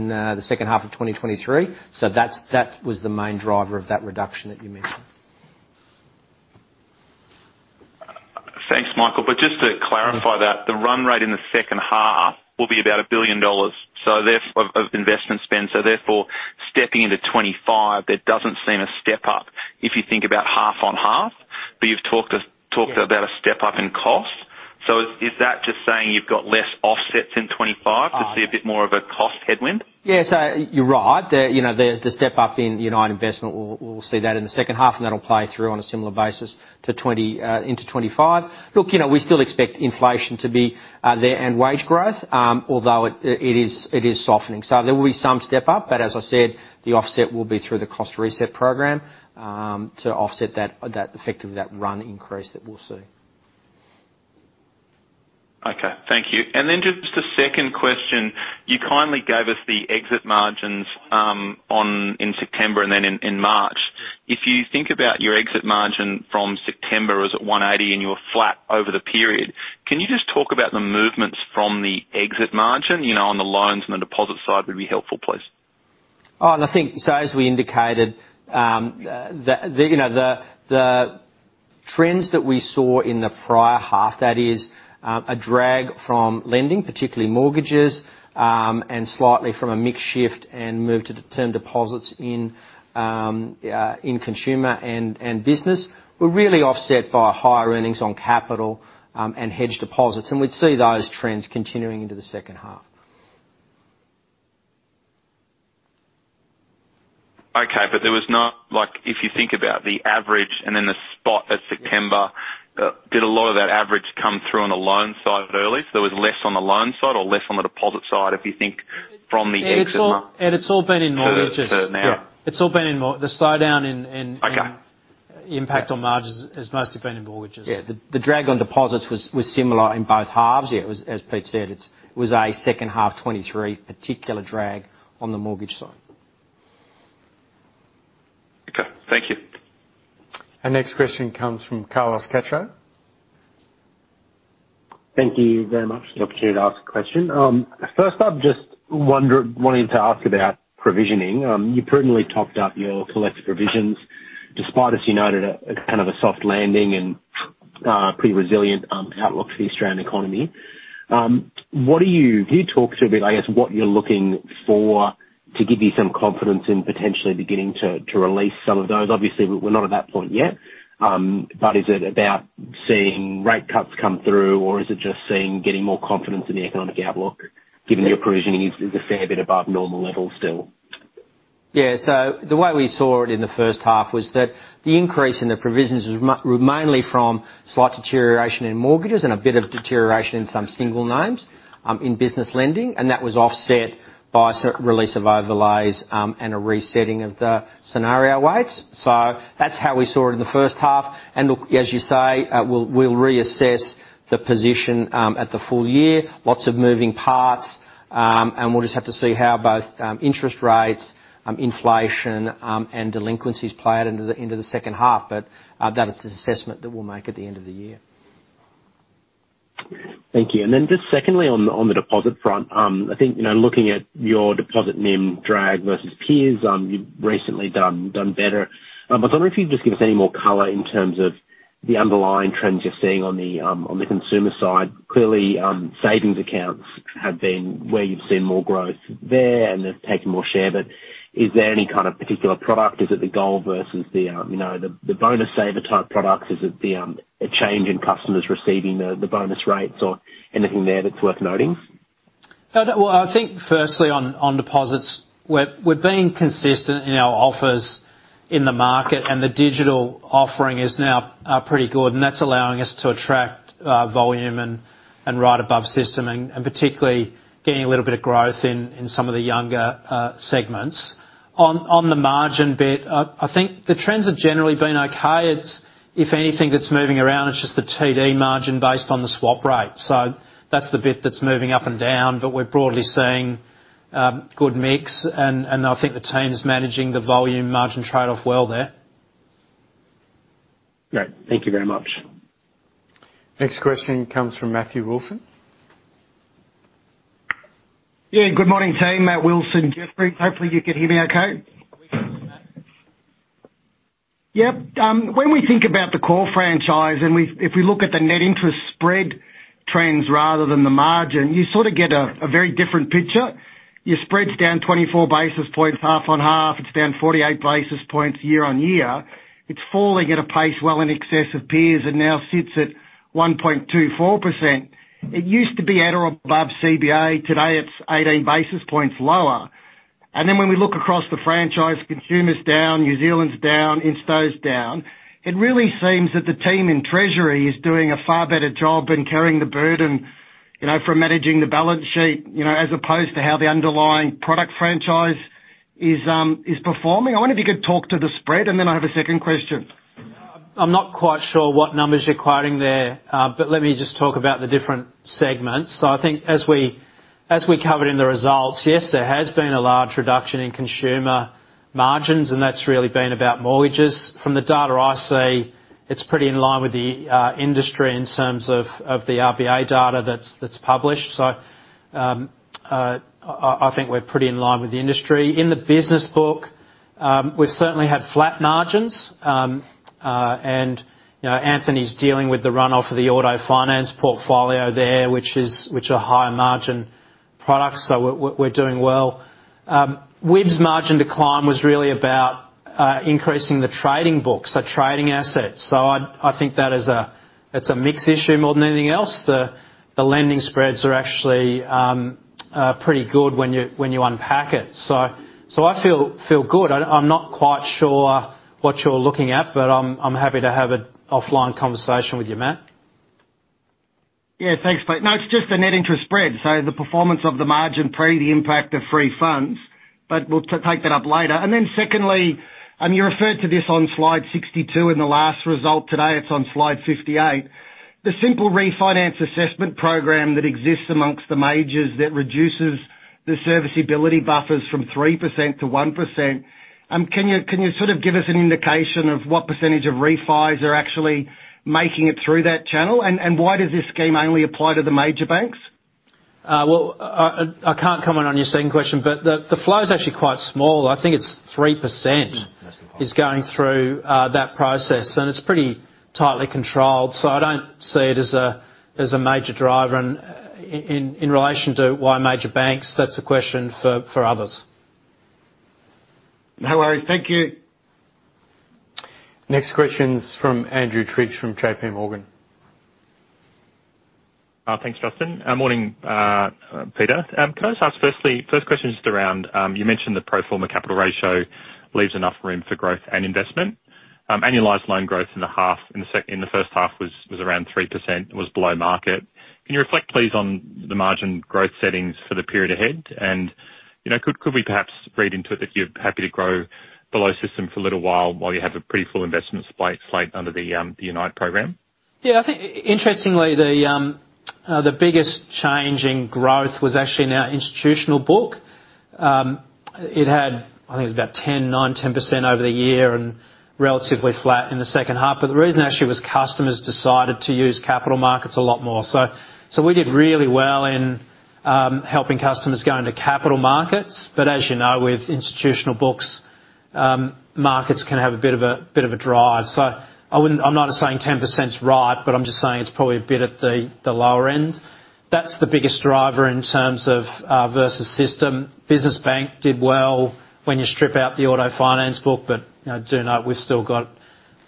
Speaker 3: the second half of 2023. So that's, that was the main driver of that reduction that you mentioned.
Speaker 6: Thanks, Michael. But just to clarify that, the run rate in the second half will be about 1 billion dollars, so therefore of investment spend, so therefore, stepping into 2025, there doesn't seem a step up if you think about half on half. But you've talked
Speaker 2: Yeah
Speaker 6: about a step-up in cost. So is, is that just saying you've got less offsets?... five to see a bit more of a cost headwind?
Speaker 2: Yeah, so you're right. You know, the step up in Unite, we'll see that in the second half, and that'll play through on a similar basis to 20 into 25. Look, you know, we still expect inflation to be there and wage growth, although it is softening. So there will be some step up, but as I said, the offset will be through the Cost Reset program to offset that effectively, that run increase that we'll see.
Speaker 6: Okay, thank you. Then just a second question. You kindly gave us the exit margins in September and then in March. If you think about your exit margin from September was at 180 and you were flat over the period, can you just talk about the movements from the exit margin? You know, on the loans and the deposit side would be helpful, please.
Speaker 2: Oh, and I think so as we indicated, you know, the trends that we saw in the prior half, that is, a drag from lending, particularly mortgages, and slightly from a mix shift and move to the term deposits in Consumer and business, were really offset by higher earnings on capital, and hedge deposits. And we'd see those trends continuing into the second half.
Speaker 6: Okay, but there was not like, if you think about the average and then the spot at September, did a lot of that average come through on the loan side early? So there was less on the loan side or less on the deposit side, if you think from the exit-
Speaker 2: It's all, and it's all been in mortgages.
Speaker 6: To now.
Speaker 2: Yeah, it's all been the slowdown in.
Speaker 6: Okay.
Speaker 2: Impact on margins has mostly been in mortgages. Yeah, the drag on deposits was similar in both halves. Yeah, it was, as Pete said, it was a second half 2023 particular drag on the mortgage side.
Speaker 6: Okay, thank you.
Speaker 4: Our next question comes from Carlos Cacho.
Speaker 7: Thank you very much for the opportunity to ask a question. First off, just wonder-- wanting to ask about provisioning. You presently topped up your collective provisions, despite, as you noted, a kind of a soft landing and pretty resilient outlook for the Australian economy. What are you-- can you talk through a bit, I guess, what you're looking for to give you some confidence in potentially beginning to release some of those? Obviously, we're not at that point yet, but is it about seeing rate cuts come through, or is it just seeing getting more confidence in the economic outlook, given your provisioning is a fair bit above normal levels still?
Speaker 2: Yeah. So the way we saw it in the first half was that the increase in the provisions was mainly from slight deterioration in mortgages and a bit of deterioration in some single names in business lending, and that was offset by a certain release of overlays and a resetting of the scenario weights. So that's how we saw it in the first half. And look, as you say, we'll reassess the position at the full year. Lots of moving parts, and we'll just have to see how both interest rates, inflation, and delinquencies play out into the second half. But that is the assessment that we'll make at the end of the year.
Speaker 7: Thank you. And then just secondly, on the deposit front, I think, you know, looking at your deposit NIM drag versus peers, you've recently done better. But I wonder if you could just give us any more color in terms of the underlying trends you're seeing on the Consumer side. Clearly, savings accounts have been where you've seen more growth there, and they've taken more share. But is there any kind of particular product? Is it the goal versus the bonus saver-type product? Is it a change in customers receiving the bonus rates or anything there that's worth noting?
Speaker 2: Well, I think firstly on deposits, we're being consistent in our offers in the market, and the digital offering is now pretty good, and that's allowing us to attract volume and right above system and particularly getting a little bit of growth in some of the younger segments. On the margin bit, I think the trends have generally been okay. It's, if anything that's moving around, it's just the TD margin based on the swap rate. So that's the bit that's moving up and down, but we're broadly seeing good mix, and I think the team is managing the volume margin trade-off well there.
Speaker 7: Great. Thank you very much.
Speaker 4: Next question comes from Matthew Wilson.
Speaker 8: Yeah, good morning, team. Matt Wilson, Jefferies. Hopefully, you can hear me okay?
Speaker 4: We can hear you, Matt.
Speaker 8: Yep, when we think about the core franchise, and if we look at the net interest spread trends rather than the margin, you sort of get a very different picture. Your spread's down 24 basis points half-on-half; it's down 48 basis points year-on-year. It's falling at a pace well in excess of peers and now sits at 1.24%. It used to be at or above CBA. Today, it's 18 basis points lower. And then when we look across the franchise, Consumer's down, New Zealand's down, Insto's down. It really seems that the team in Treasury is doing a far better job in carrying the burden, you know, from managing the balance sheet, you know, as opposed to how the underlying product franchise is performing. I wonder if you could talk to the spread, and then I have a second question.
Speaker 2: I'm not quite sure what numbers you're quoting there, but let me just talk about the different segments. So I think as we, as we covered in the results, yes, there has been a large reduction in Consumer margins, and that's really been about mortgages. From the data I see, it's pretty in line with the industry in terms of, of the RBA data that's, that's published. So, I, I think we're pretty in line with the industry. In the business book, we've certainly had flat margins, and, you know, Anthony's dealing with the run-off of the auto finance portfolio there, which is, which are higher margin products, so we're, we're doing well. WIB's margin decline was really about increasing the trading books, so trading assets. So I, I think that is a, it's a mixed issue more than anything else. The lending spreads are actually pretty good when you unpack it. So I feel good. I'm not quite sure what you're looking at, but I'm happy to have an offline conversation with you, Matt.
Speaker 8: Yeah, thanks, Pete. No, it's just the net interest spread, so the performance of the margin pre the impact of free funds, but we'll take that up later. And then secondly, you referred to this on slide 62, in the last result today, it's on slide 58. The simple refinance assessment program that exists amongst the majors that reduces the serviceability buffers from 3% to 1%, can you sort of give us an indication of what percentage of refis are actually making it through that channel? And why does this scheme only apply to the major banks?
Speaker 2: Well, I can't comment on your second question, but the flow is actually quite small. I think it's 3%. That's the point... is going through that process, and it's pretty tightly controlled, so I don't see it as a major driver. And in relation to why major banks, that's a question for others.
Speaker 8: No worries. Thank you.
Speaker 1: Next question's from Andrew Triggs from JPMorgan.
Speaker 9: Thanks, Justin. Morning, Peter. Can I just ask firstly—first question is just around, you mentioned the pro forma capital ratio leaves enough room for growth and investment. Annualized loan growth in the first half was around 3%, was below market. Can you reflect, please, on the margin growth settings for the period ahead? And, you know, could we perhaps read into it if you're happy to grow below system for a little while, while you have a pretty full investment slate under the Unite program?
Speaker 2: Yeah, I think interestingly, the biggest change in growth was actually in our institutional book. It had... I think it was about 10, 9, 10% over the year and relatively flat in the second half. But the reason actually was customers decided to use capital markets a lot more. So we did really well in helping customers go into capital markets, but as you know, with institutional books, markets can have a bit of a drive. So I'm not saying 10%'s right, but I'm just saying it's probably a bit at the lower end. That's the biggest driver in terms of versus system. Business Bank did well when you strip out the auto finance book, but, you know, do note, we've still got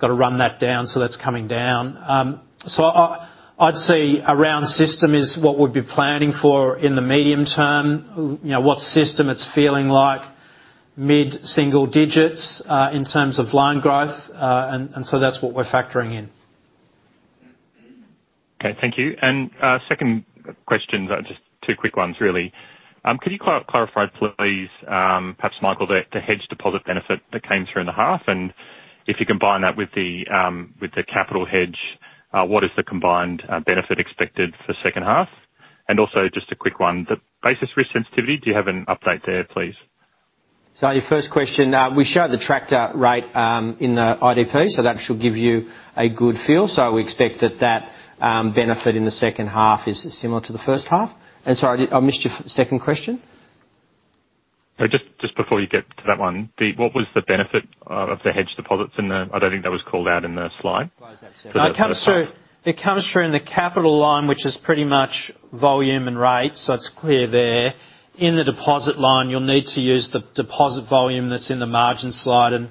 Speaker 2: to run that down, so that's coming down. So I, I'd say around system is what we'd be planning for in the medium term. You know, what system it's feeling like, mid-single digits, in terms of loan growth, and so that's what we're factoring in.
Speaker 9: Okay, thank you. And second question, just two quick ones, really. Could you clarify, please, perhaps Michael, the hedge deposit benefit that came through in the half? And if you combine that with the capital hedge, what is the combined benefit expected for second half? And also, just a quick one, the basis risk sensitivity, do you have an update there, please?
Speaker 2: So your first question, we showed the Tractor rate in the IDP, so that should give you a good feel. So we expect that that benefit in the second half is similar to the first half. And sorry, did I missed your second question?
Speaker 9: Just, just before you get to that one, what was the benefit of the hedge deposits in the... I don't think that was called out in the slide.
Speaker 2: Well, as I said, it comes through, it comes through in the capital line, which is pretty much volume and rate, so it's clear there. In the deposit line, you'll need to use the deposit volume that's in the margin slide, and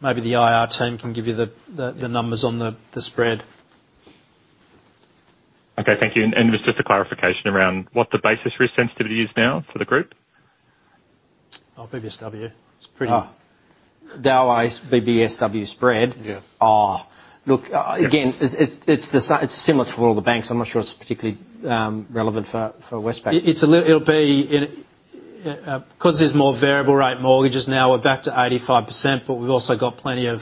Speaker 2: maybe the IR team can give you the numbers on the spread.
Speaker 9: Okay, thank you. And just a clarification around what the basis risk sensitivity is now for the group?
Speaker 2: Oh, BBSW. It's Dallas BBSW spread? Yes. Oh, look, again, it's similar to all the banks. I'm not sure it's particularly relevant for Westpac. It'll be... 'Cause there's more variable rate mortgages now, we're back to 85%, but we've also got plenty of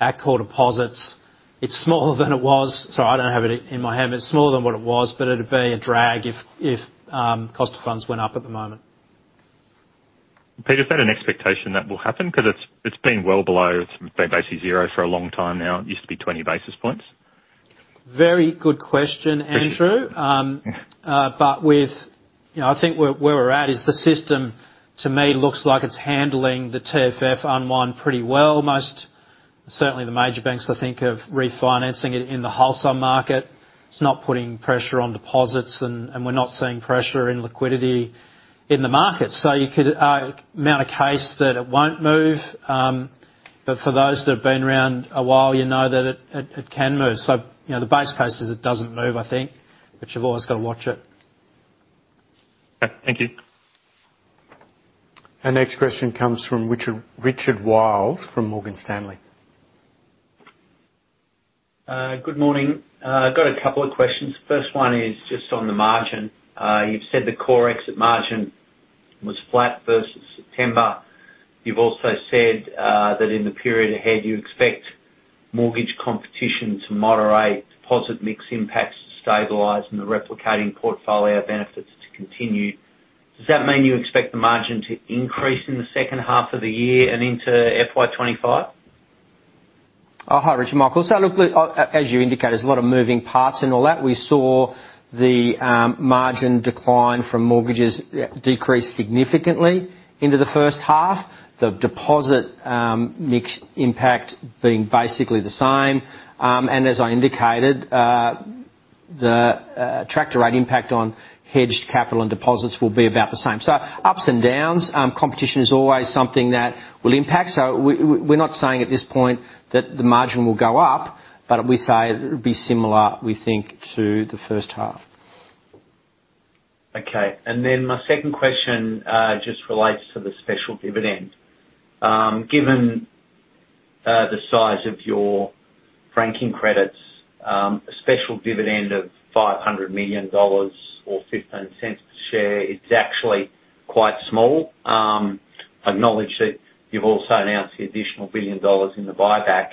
Speaker 2: accord deposits. It's smaller than it was, so I don't have it in my head, but it's smaller than what it was, but it'd be a drag if cost of funds went up at the moment.
Speaker 9: Peter, is that an expectation that will happen? 'Cause it's been well below; it's been basically zero for a long time now. It used to be 20 basis points.
Speaker 2: Very good question, Andrew.
Speaker 9: Thank you.
Speaker 2: But with... You know, I think where we're at is the system, to me, looks like it's handling the TFF unwind pretty well. Most, certainly the major banks, I think, are refinancing it in the wholesale market. It's not putting pressure on deposits, and we're not seeing pressure in liquidity in the market. So you could mount a case that it won't move, but for those that have been around a while, you know that it can move. So, you know, the base case is it doesn't move, I think, but you've always got to watch it.
Speaker 9: Okay, thank you.
Speaker 1: Our next question comes from Richard, Richard Wiles from Morgan Stanley.
Speaker 10: Good morning. I've got a couple of questions. First one is just on the margin. You've said the core exit margin was flat versus September. You've also said that in the period ahead, you expect mortgage competition to moderate, deposit mix impacts to stabilize, and the replicating portfolio benefits to continue. Does that mean you expect the margin to increase in the second half of the year and into FY 25?
Speaker 3: Oh, hi, Richard. Michael. So look, as you indicated, there's a lot of moving parts and all that. We saw the margin decline from mortgages decrease significantly into the first half, the deposit mix impact being basically the same. And as I indicated, the Tractor rate impact on hedged capital and deposits will be about the same. So ups and downs, competition is always something that will impact. So we, we're not saying at this point that the margin will go up, but we say it would be similar, we think, to the first half.
Speaker 10: Okay, and then my second question just relates to the special dividend. Given the size of your franking credits, a special dividend of 500 million dollars or 0.15 per share, it's actually quite small. Acknowledge that you've also announced the additional 1 billion dollars in the buyback.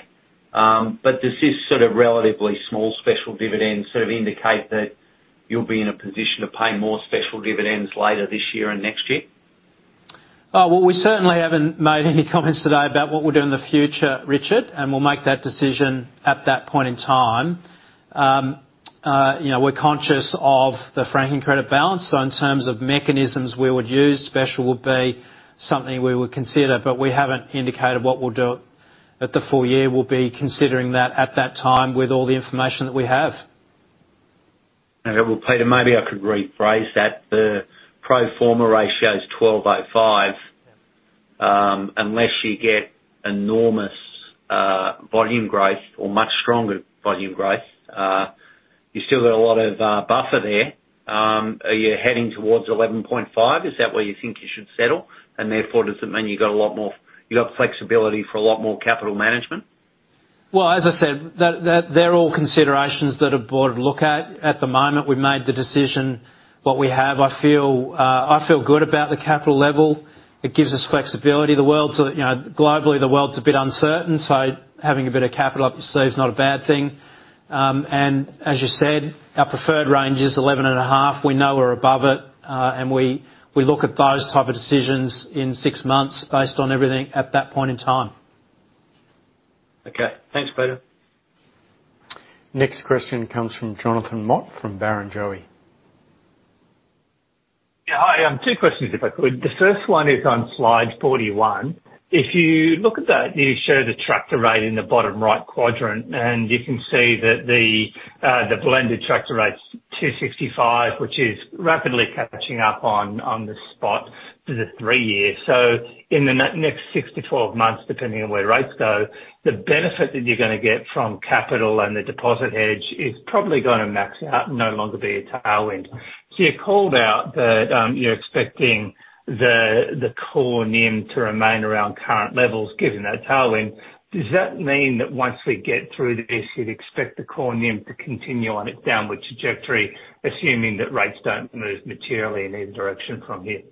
Speaker 10: But does this sort of relatively small special dividend sort of indicate that you'll be in a position to pay more special dividends later this year and next year?
Speaker 3: Well, we certainly haven't made any comments today about what we'll do in the future, Richard, and we'll make that decision at that point in time. You know, we're conscious of the franking credit balance, so in terms of mechanisms we would use, special would be something we would consider, but we haven't indicated what we'll do. At the full year, we'll be considering that at that time with all the information that we have.
Speaker 10: Okay. Well, Peter, maybe I could rephrase that. The pro forma ratio is 12.05. Unless you get enormous volume growth or much stronger volume growth, you've still got a lot of buffer there. Are you heading towards 11.5? Is that where you think you should settle? And therefore, does it mean you've got a lot more—you've got flexibility for a lot more capital management?
Speaker 2: Well, as I said, that they're all considerations that a board would look at. At the moment, we've made the decision, what we have. I feel, I feel good about the capital level. It gives us flexibility. The world's, you know, globally, the world's a bit uncertain, so having a bit of capital up your sleeve is not a bad thing. And as you said, our preferred range is 11.5. We know we're above it, and we, we look at those type of decisions in six months based on everything at that point in time.
Speaker 10: Okay. Thanks, Peter.
Speaker 1: Next question comes from Jonathan Mott, from Barrenjoey.
Speaker 11: Yeah, hi. Two questions, if I could. The first one is on slide 41. If you look at that, you show the Tractor rate in the bottom right quadrant, and you can see that the blended Tractor rate's 265, which is rapidly catching up on the spot for the 3-year. So in the next 6-12 months, depending on where rates go, the benefit that you're gonna get from capital and the deposit hedge is probably gonna max out and no longer be a tailwind. So you called out that you're expecting the core NIM to remain around current levels, given that tailwind. Does that mean that once we get through this, you'd expect the core NIM to continue on its downward trajectory, assuming that rates don't move materially in any direction from here?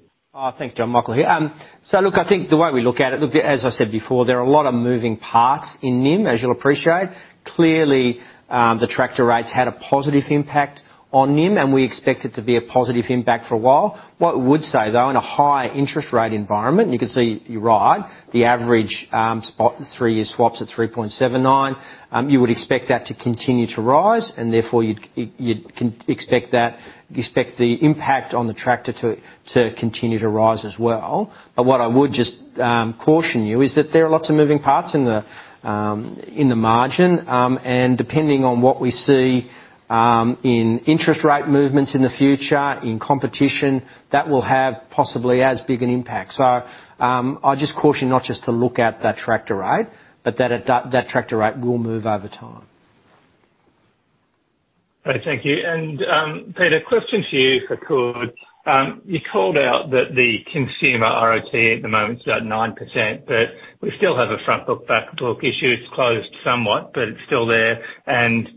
Speaker 3: Thanks, John. Michael here. So look, I think the way we look at it, as I said before, there are a lot of moving parts in NIM, as you'll appreciate. Clearly, the Tractor rates had a positive impact on NIM, and we expect it to be a positive impact for a while. What I would say, though, in a higher interest rate environment, you can see you're right, the average spot, the three-year swaps at 3.79, you would expect that to continue to rise, and therefore, you'd expect that, expect the impact on the Tractor to continue to rise as well. What I would just caution you is that there are lots of moving parts in the margin, and depending on what we see in interest rate movements in the future, in competition, that will have possibly as big an impact. So, I'd just caution you not just to look at that Tractor rate, but that Tractor rate will move over time.
Speaker 11: Thank you. Peter, question to you, if I could. You called out that the Consumer ROTE at the moment is at 9%, but we still have a front book, back book issue. It's closed somewhat, but it's still there.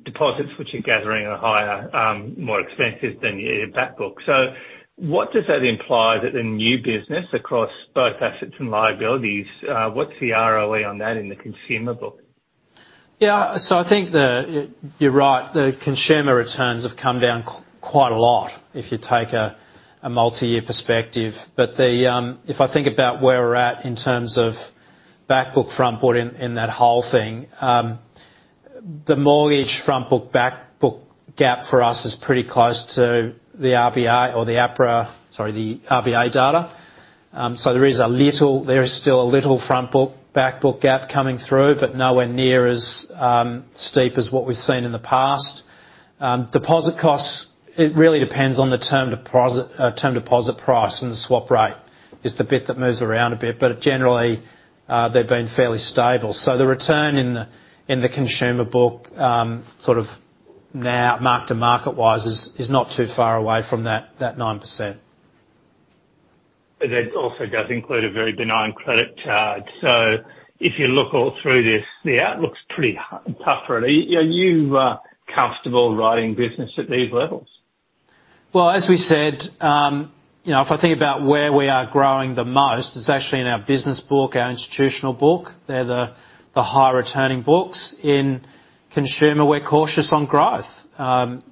Speaker 11: Deposits, which are gathering, are higher, more expensive than your back book. So what does that imply that the new business across both assets and liabilities, what's the ROE on that in the Consumer book?
Speaker 2: Yeah, so I think you're right, the Consumer returns have come down quite a lot if you take a multi-year perspective. But... If I think about where we're at in terms of back book, front book, in that whole thing, the mortgage front book, back book gap for us is pretty close to the RBA or the APRA, sorry, the RBA data. So there is a little—there is still a little front book, back book gap coming through, but nowhere near as steep as what we've seen in the past. Deposit costs, it really depends on the term deposit, term deposit price and the swap rate, is the bit that moves around a bit, but generally, they've been fairly stable. So the return in the Consumer book, sort of now, mark-to-market-wise, is not too far away from that 9%.
Speaker 11: That also does include a very benign credit charge. So if you look all through this, the outlook's pretty tougher. Are you comfortable riding business at these levels?
Speaker 2: Well, as we said, you know, if I think about where we are growing the most, it's actually in our business book, our institutional book. They're the higher returning books. In Consumer, we're cautious on growth.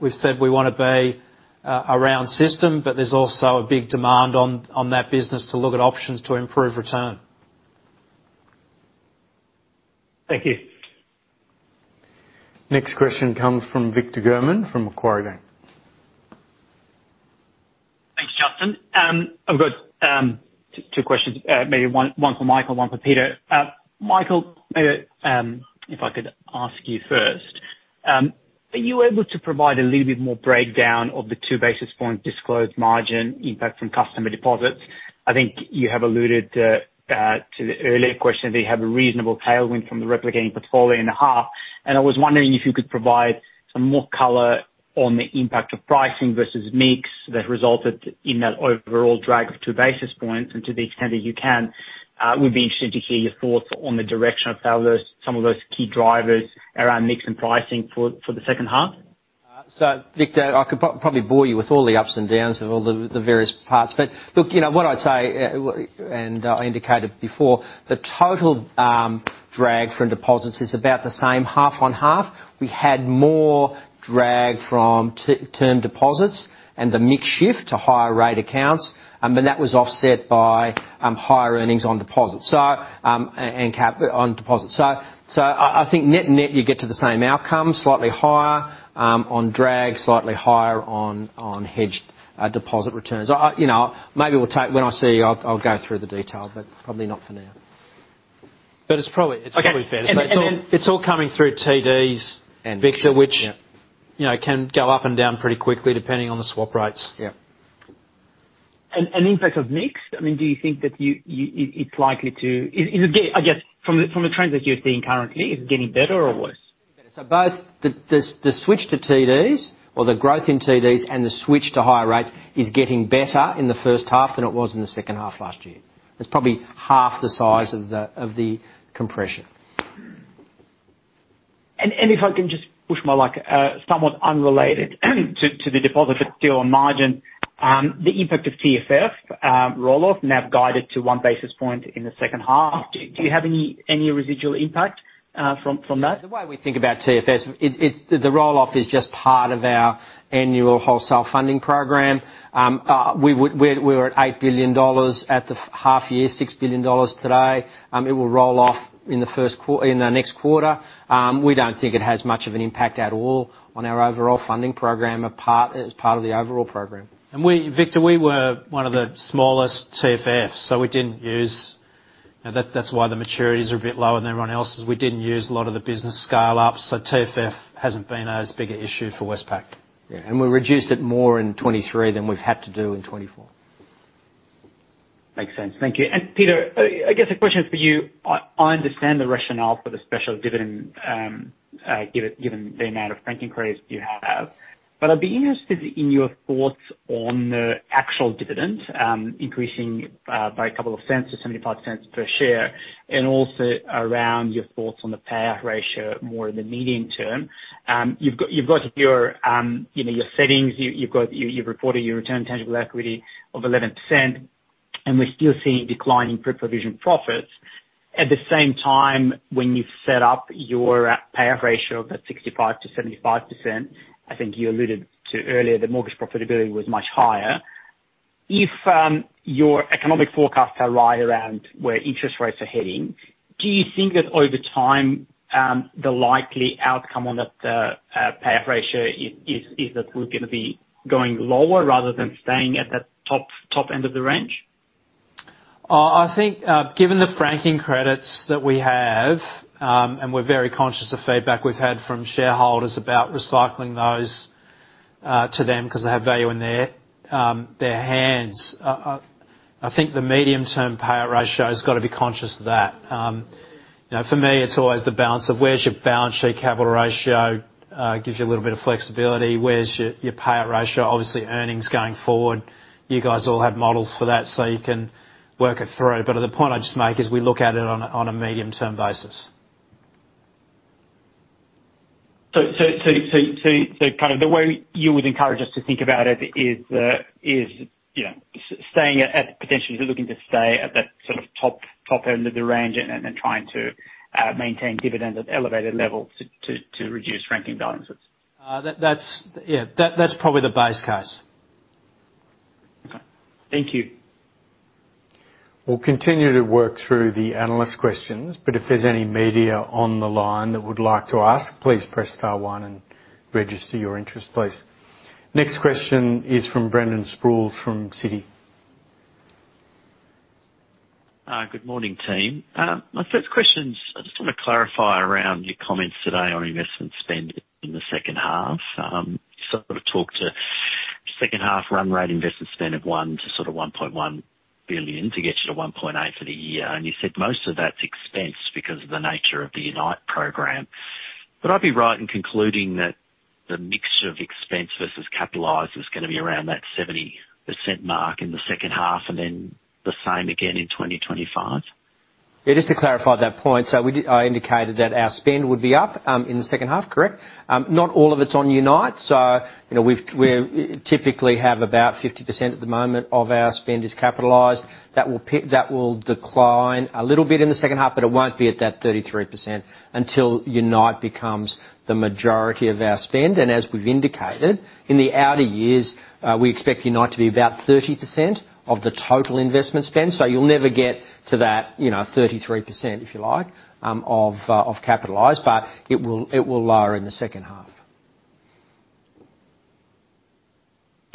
Speaker 2: We've said we wanna be around system, but there's also a big demand on that business to look at options to improve return.
Speaker 11: Thank you.
Speaker 1: Next question comes from Victor German, from Macquarie Bank. ...
Speaker 12: I've got two questions, maybe one for Michael, one for Peter. Michael, maybe if I could ask you first, are you able to provide a little bit more breakdown of the two basis points disclosed margin impact from customer deposits? I think you have alluded to the earlier question, that you have a reasonable tailwind from the replicating portfolio in the half, and I was wondering if you could provide some more color on the impact of pricing versus mix that resulted in that overall drag of two basis points. And to the extent that you can, we'd be interested to hear your thoughts on the direction of how those some of those key drivers around mix and pricing for the second half.
Speaker 3: So Victor, I could probably bore you with all the ups and downs of all the various parts. But look, you know, what I'd say, and I indicated before, the total drag from deposits is about the same half on half. We had more drag from term deposits and the mix shift to higher rate accounts, but that was offset by higher earnings on deposits. And cap on deposits. So I think net-net, you get to the same outcome, slightly higher on drag, slightly higher on hedged deposit returns. You know, maybe we'll take when I see you, I'll go through the detail, but probably not for now.
Speaker 2: It's probably fair-
Speaker 12: Okay, and then-
Speaker 2: It's all, it's all coming through TDs and Victor-
Speaker 3: Yeah.
Speaker 2: Which, you know, can go up and down pretty quickly, depending on the swap rates.
Speaker 3: Yeah.
Speaker 12: And the impact of mix, I mean, do you think that you... It's likely to, is it, I guess, from the trends that you're seeing currently, is it getting better or worse?
Speaker 3: So both the switch to TDs or the growth in TDs and the switch to higher rates is getting better in the first half than it was in the second half last year. It's probably half the size of the compression.
Speaker 12: If I can just push my luck, somewhat unrelated to the deposit but still on margin, the impact of TFF roll-off, now guided to one basis point in the second half, do you have any residual impact from that?
Speaker 3: The way we think about TFF, it's the roll-off is just part of our annual wholesale funding program. We're at 8 billion dollars at the first half year, 6 billion dollars today. It will roll off in the next quarter. We don't think it has much of an impact at all on our overall funding program, as part of the overall program.
Speaker 2: We, Victor, we were one of the smallest TFF, so we didn't use... You know, that, that's why the maturities are a bit lower than everyone else's. We didn't use a lot of the business scale up, so TFF hasn't been as big an issue for Westpac.
Speaker 3: Yeah, and we reduced it more in 2023 than we've had to do in 2024.
Speaker 12: Makes sense. Thank you. And Peter, I guess a question for you. I understand the rationale for the special dividend, given the amount of franking credits you have, but I'd be interested in your thoughts on the actual dividend, increasing by a couple of cents to 0.75 per share, and also around your thoughts on the payout ratio more in the medium term. You've got your, you know, your settings. You've got your. You've reported your return on tangible equity of 11%, and we're still seeing a decline in pre-provision profits. At the same time, when you set up your payout ratio of that 65%-75%, I think you alluded to earlier that mortgage profitability was much higher. If your economic forecasts are right around where interest rates are heading, do you think that over time, the likely outcome on that payout ratio is that we're going to be going lower rather than staying at that top, top end of the range?
Speaker 2: I think, given the franking credits that we have, and we're very conscious of feedback we've had from shareholders about recycling those, to them because they have value in their hands, I think the medium-term payout ratio has got to be conscious of that. You know, for me, it's always the balance of where's your balance sheet capital ratio, gives you a little bit of flexibility. Where's your payout ratio? Obviously, earnings going forward. You guys all have models for that, so you can work it through. But the point I'd just make is we look at it on a medium-term basis.
Speaker 12: So, kind of the way you would encourage us to think about it is, you know, staying at, potentially looking to stay at that sort of top end of the range and then trying to maintain dividends at elevated levels to reduce franking balances.
Speaker 2: Yeah, that's probably the base case.
Speaker 12: Okay. Thank you.
Speaker 1: We'll continue to work through the analyst questions, but if there's any media on the line that would like to ask, please press star one and register your interest, please. Next question is from Brendan Sproulesfrom Citi.
Speaker 13: Good morning, team. My first question's, I just want to clarify around your comments today on investment spend in the second half. You sort of talked to second half run rate investment spend of 1 billion-1.1 billion to get you to 1.8 billion for the year, and you said most of that's expense because of the nature of the Unite program. Would I be right in concluding that the mix of expense versus capitalize is going to be around that 70% mark in the second half and then the same again in 2025?
Speaker 3: Yeah, just to clarify that point, so we did. I indicated that our spend would be up in the second half, correct? Not all of it's on Unite, so you know, we typically have about 50% at the moment of our spend is capitalized. That will decline a little bit in the second half, but it won't be at that 33% until Unite becomes the majority of our spend. And as we've indicated, in the outer years, we expect Unite to be about 30% of the total investment spend. So you'll never get to that, you know, 33%, if you like, of capitalized, but it will lower in the second half....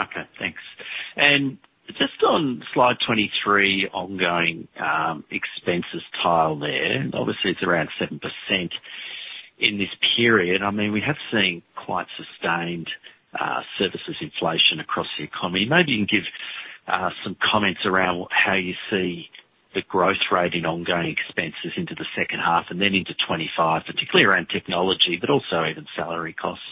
Speaker 14: Okay, thanks. And just on slide 23, ongoing, expenses tile there, obviously it's around 7% in this period. I mean, we have seen quite sustained, services inflation across the economy. Maybe you can give, some comments around how you see the growth rate in ongoing expenses into the second half and then into 2025, particularly around technology, but also even salary costs.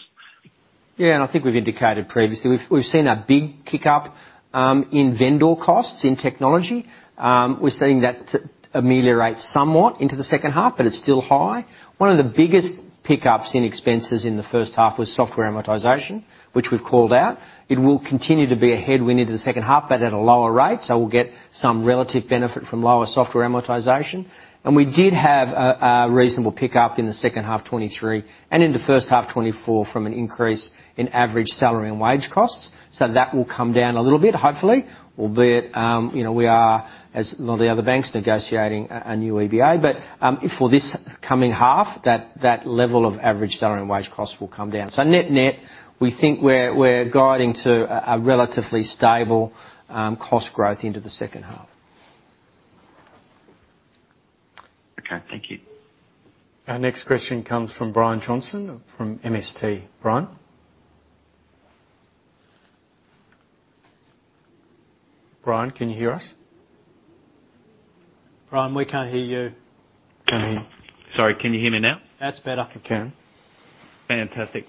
Speaker 3: Yeah, and I think we've indicated previously, we've seen a big kick-up in vendor costs in technology. We're seeing that to ameliorate somewhat into the second half, but it's still high. One of the biggest pick-ups in expenses in the first half was software amortization, which we've called out. It will continue to be a headwind into the second half, but at a lower rate, so we'll get some relative benefit from lower software amortization. And we did have a reasonable pick-up in the second half 2023 and in the first half 2024 from an increase in average salary and wage costs, so that will come down a little bit, hopefully. Albeit, you know, we are, as a lot of the other banks, negotiating a new EBA. But, for this coming half, that level of average salary and wage costs will come down. So net-net, we think we're guiding to a relatively stable cost growth into the second half.
Speaker 14: Okay, thank you.
Speaker 2: Our next question comes from Brian Johnson, from MST. Brian? Brian, can you hear us?
Speaker 3: Brian, we can't hear you.
Speaker 4: Can't hear you.
Speaker 14: Sorry, can you hear me now?
Speaker 3: That's better.
Speaker 2: We can.
Speaker 14: Fantastic.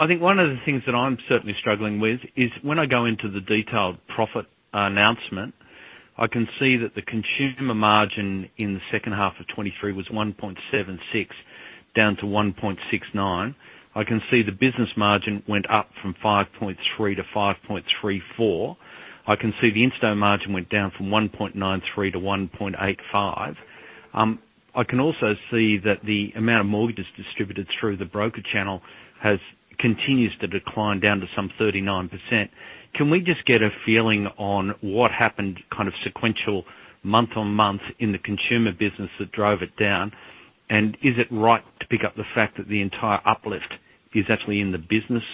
Speaker 14: I think one of the things that I'm certainly struggling with is when I go into the detailed profit announcement, I can see that the Consumer margin in the second half of 2023 was 1.76, down to 1.69. I can see the business margin went up from 5.3 to 5.34. I can see the insto margin went down from 1.93 to 1.85. I can also see that the amount of mortgages distributed through the broker channel has continues to decline down to some 39%. Can we just get a feeling on what happened, kind of, sequential month-on-month in the Consumer business that drove it down? And is it right to pick up the fact that the entire uplift is actually in the business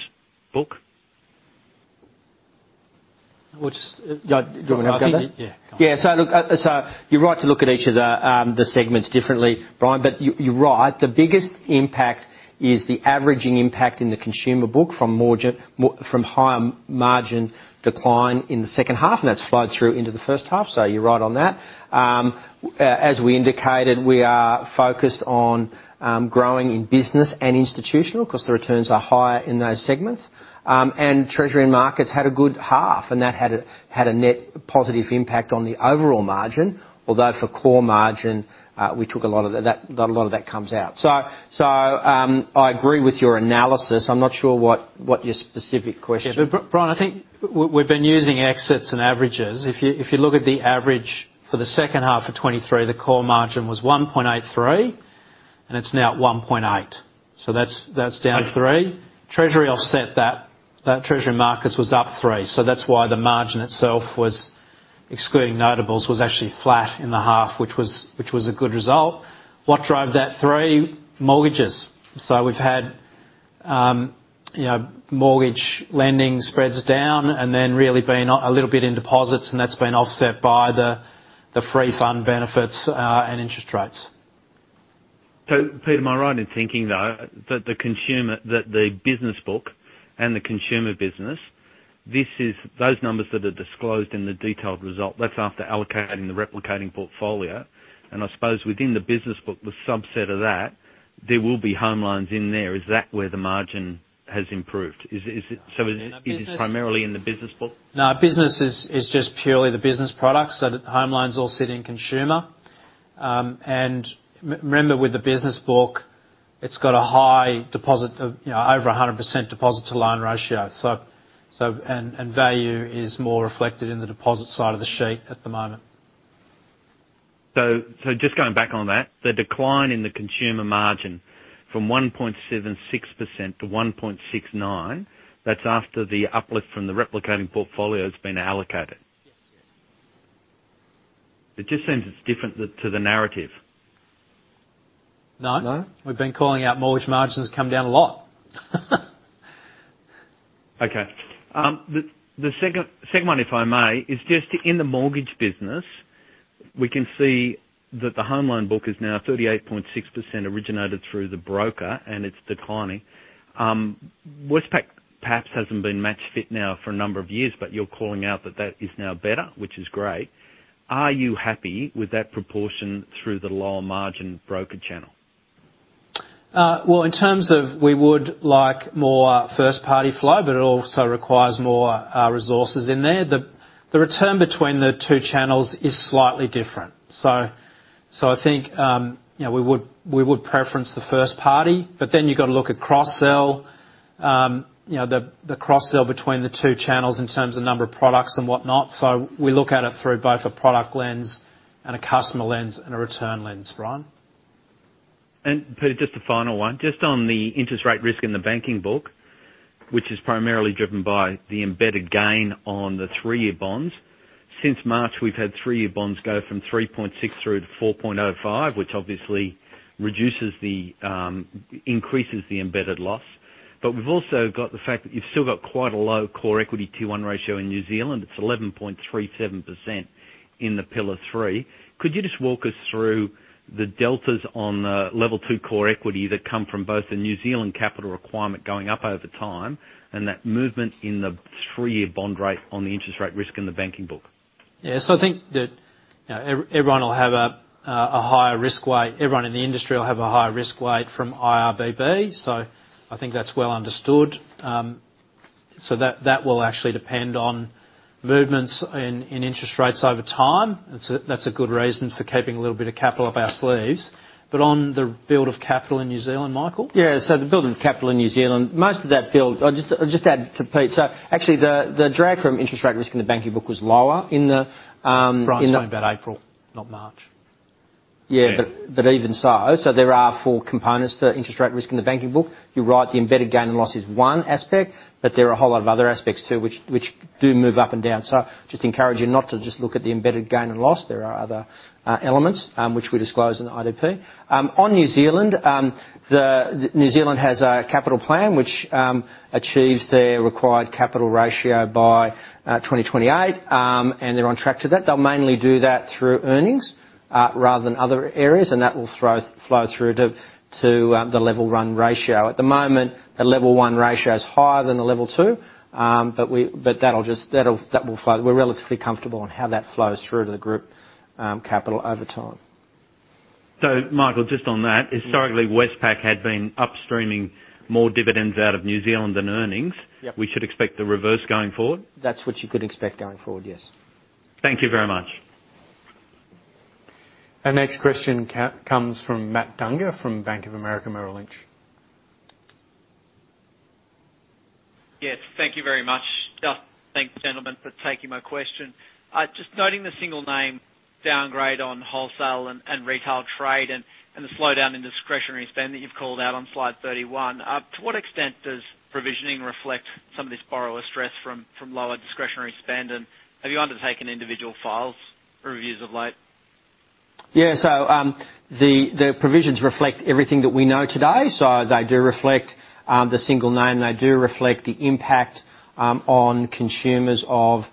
Speaker 14: book?
Speaker 2: Which, do you want me to jump in?
Speaker 3: Yeah. Yeah. So look, so you're right to look at each of the segments differently, Brian, but you're right. The biggest impact is the averaging impact in the Consumer book from mortgage from higher margin decline in the second half, and that's flowed through into the first half, so you're right on that. As we indicated, we are focused on growing in business and institutional, 'cause the returns are higher in those segments. And treasury and markets had a good half, and that had a net positive impact on the overall margin, although for core margin, we took a lot of that a lot of that comes out. So, I agree with your analysis. I'm not sure what your specific question is.
Speaker 2: Yeah, but Brian, I think we've been using exits and averages. If you, if you look at the average for the second half of 2023, the core margin was 1.83, and it's now at 1.8, so that's, that's down three.
Speaker 14: Okay.
Speaker 2: Treasury offset that. That treasury markets was up three, so that's why the margin itself was, excluding notables, was actually flat in the half, which was, which was a good result. What drove that three? Mortgages. So we've had, you know, mortgage lending spreads down and then really being a little bit in deposits, and that's been offset by the, the TFF benefits, and interest rates.
Speaker 14: So, Peter, am I right in thinking, though, that the Consumer... That the business book and the Consumer business, this is—those numbers that are disclosed in the detailed result, that's after allocating the replicating portfolio. And I suppose within the business book, the subset of that, there will be home loans in there. Is that where the margin has improved? Is it, is it...
Speaker 2: Yeah, business-
Speaker 14: So is this primarily in the banking book?
Speaker 2: No, business is just purely the business products, so the home loans all sit in Consumer. And remember, with the business book, it's got a high deposit of, you know, over 100% deposit to loan ratio. So, and value is more reflected in the deposit side of the sheet at the moment.
Speaker 14: So, just going back on that, the decline in the Consumer margin from 1.76% to 1.69%, that's after the uplift from the replicating portfolio has been allocated?
Speaker 3: Yes. Yes.
Speaker 14: It just seems it's different to the narrative.
Speaker 2: No.
Speaker 3: No. We've been calling out mortgage margins have come down a lot.
Speaker 14: Okay. The second one, if I may, is just in the mortgage business. We can see that the home loan book is now 38.6% originated through the broker, and it's declining. Westpac perhaps hasn't been match fit now for a number of years, but you're calling out that that is now better, which is great. Are you happy with that proportion through the lower margin broker channel?
Speaker 2: Well, in terms of we would like more first party flow, but it also requires more resources in there. The return between the two channels is slightly different. So I think, you know, we would preference the first party, but then you've got to look at cross sell. You know, the cross sell between the two channels in terms of number of products and whatnot, so we look at it through both a product lens and a customer lens, and a return lens, Brian.
Speaker 14: Peter, just a final one. Just on the interest rate risk in the banking book, which is primarily driven by the embedded gain on the three-year bonds. Since March, we've had three-year bonds go from 3.6 through to 4.05, which obviously reduces the, increases the embedded loss. But we've also got the fact that you've still got quite a low Common Equity Tier 1 ratio in New Zealand. It's 11.37% in the Pillar 3. Could you just walk us through the deltas on the Level 2 Common Equity that come from both the New Zealand capital requirement going up over time, and that movement in the three-year bond rate on the interest rate risk in the banking book?
Speaker 2: Yeah, so I think that everyone will have a higher risk weight, everyone in the industry will have a higher risk weight from IRRBB. So I think that's well understood. So that will actually depend on movements in interest rates over time. That's a good reason for keeping a little bit of capital up our sleeves. But on the build of capital in New Zealand, Michael?
Speaker 3: Yeah, so the build of capital in New Zealand, most of that build... I'll just, I'll just add to Pete. So actually, the, the drag from interest rate risk in the banking book was lower in the-
Speaker 2: Right, so about April, not March.
Speaker 3: Yeah.
Speaker 14: Yeah.
Speaker 3: But even so, there are four components to interest rate risk in the banking book. You're right, the embedded gain and loss is one aspect, but there are a whole lot of other aspects, too, which do move up and down. So just encourage you not to just look at the embedded gain and loss. There are other elements which we disclose in the IDP. On New Zealand, New Zealand has a capital plan, which achieves their required capital ratio by 2028, and they're on track to that. They'll mainly do that through earnings rather than other areas, and that will flow through to the Level 1 ratio. At the moment, the Level 1 ratio is higher than the Level 2, but that'll just flow. We're relatively comfortable on how that flows through to the group, capital over time.
Speaker 14: Michael, just on that-
Speaker 3: Mm-hmm.
Speaker 14: Historically, Westpac had been upstreaming more dividends out of New Zealand than earnings.
Speaker 3: Yep.
Speaker 14: We should expect the reverse going forward?
Speaker 3: That's what you could expect going forward, yes.
Speaker 14: Thank you very much.
Speaker 1: Our next question comes from Matt Dunger, from Bank of America Merrill Lynch.
Speaker 15: Yes, thank you very much. Just thanks, gentlemen, for taking my question. Just noting the single name downgrade on wholesale and, and retail trade and, and the slowdown in discretionary spend that you've called out on slide 31. To what extent does provisioning reflect some of this borrower stress from, from lower discretionary spend? And have you undertaken individual files or reviews of late?
Speaker 3: Yeah, so, the provisions reflect everything that we know today. So they do reflect the single name, and they do reflect the impact on Consumers of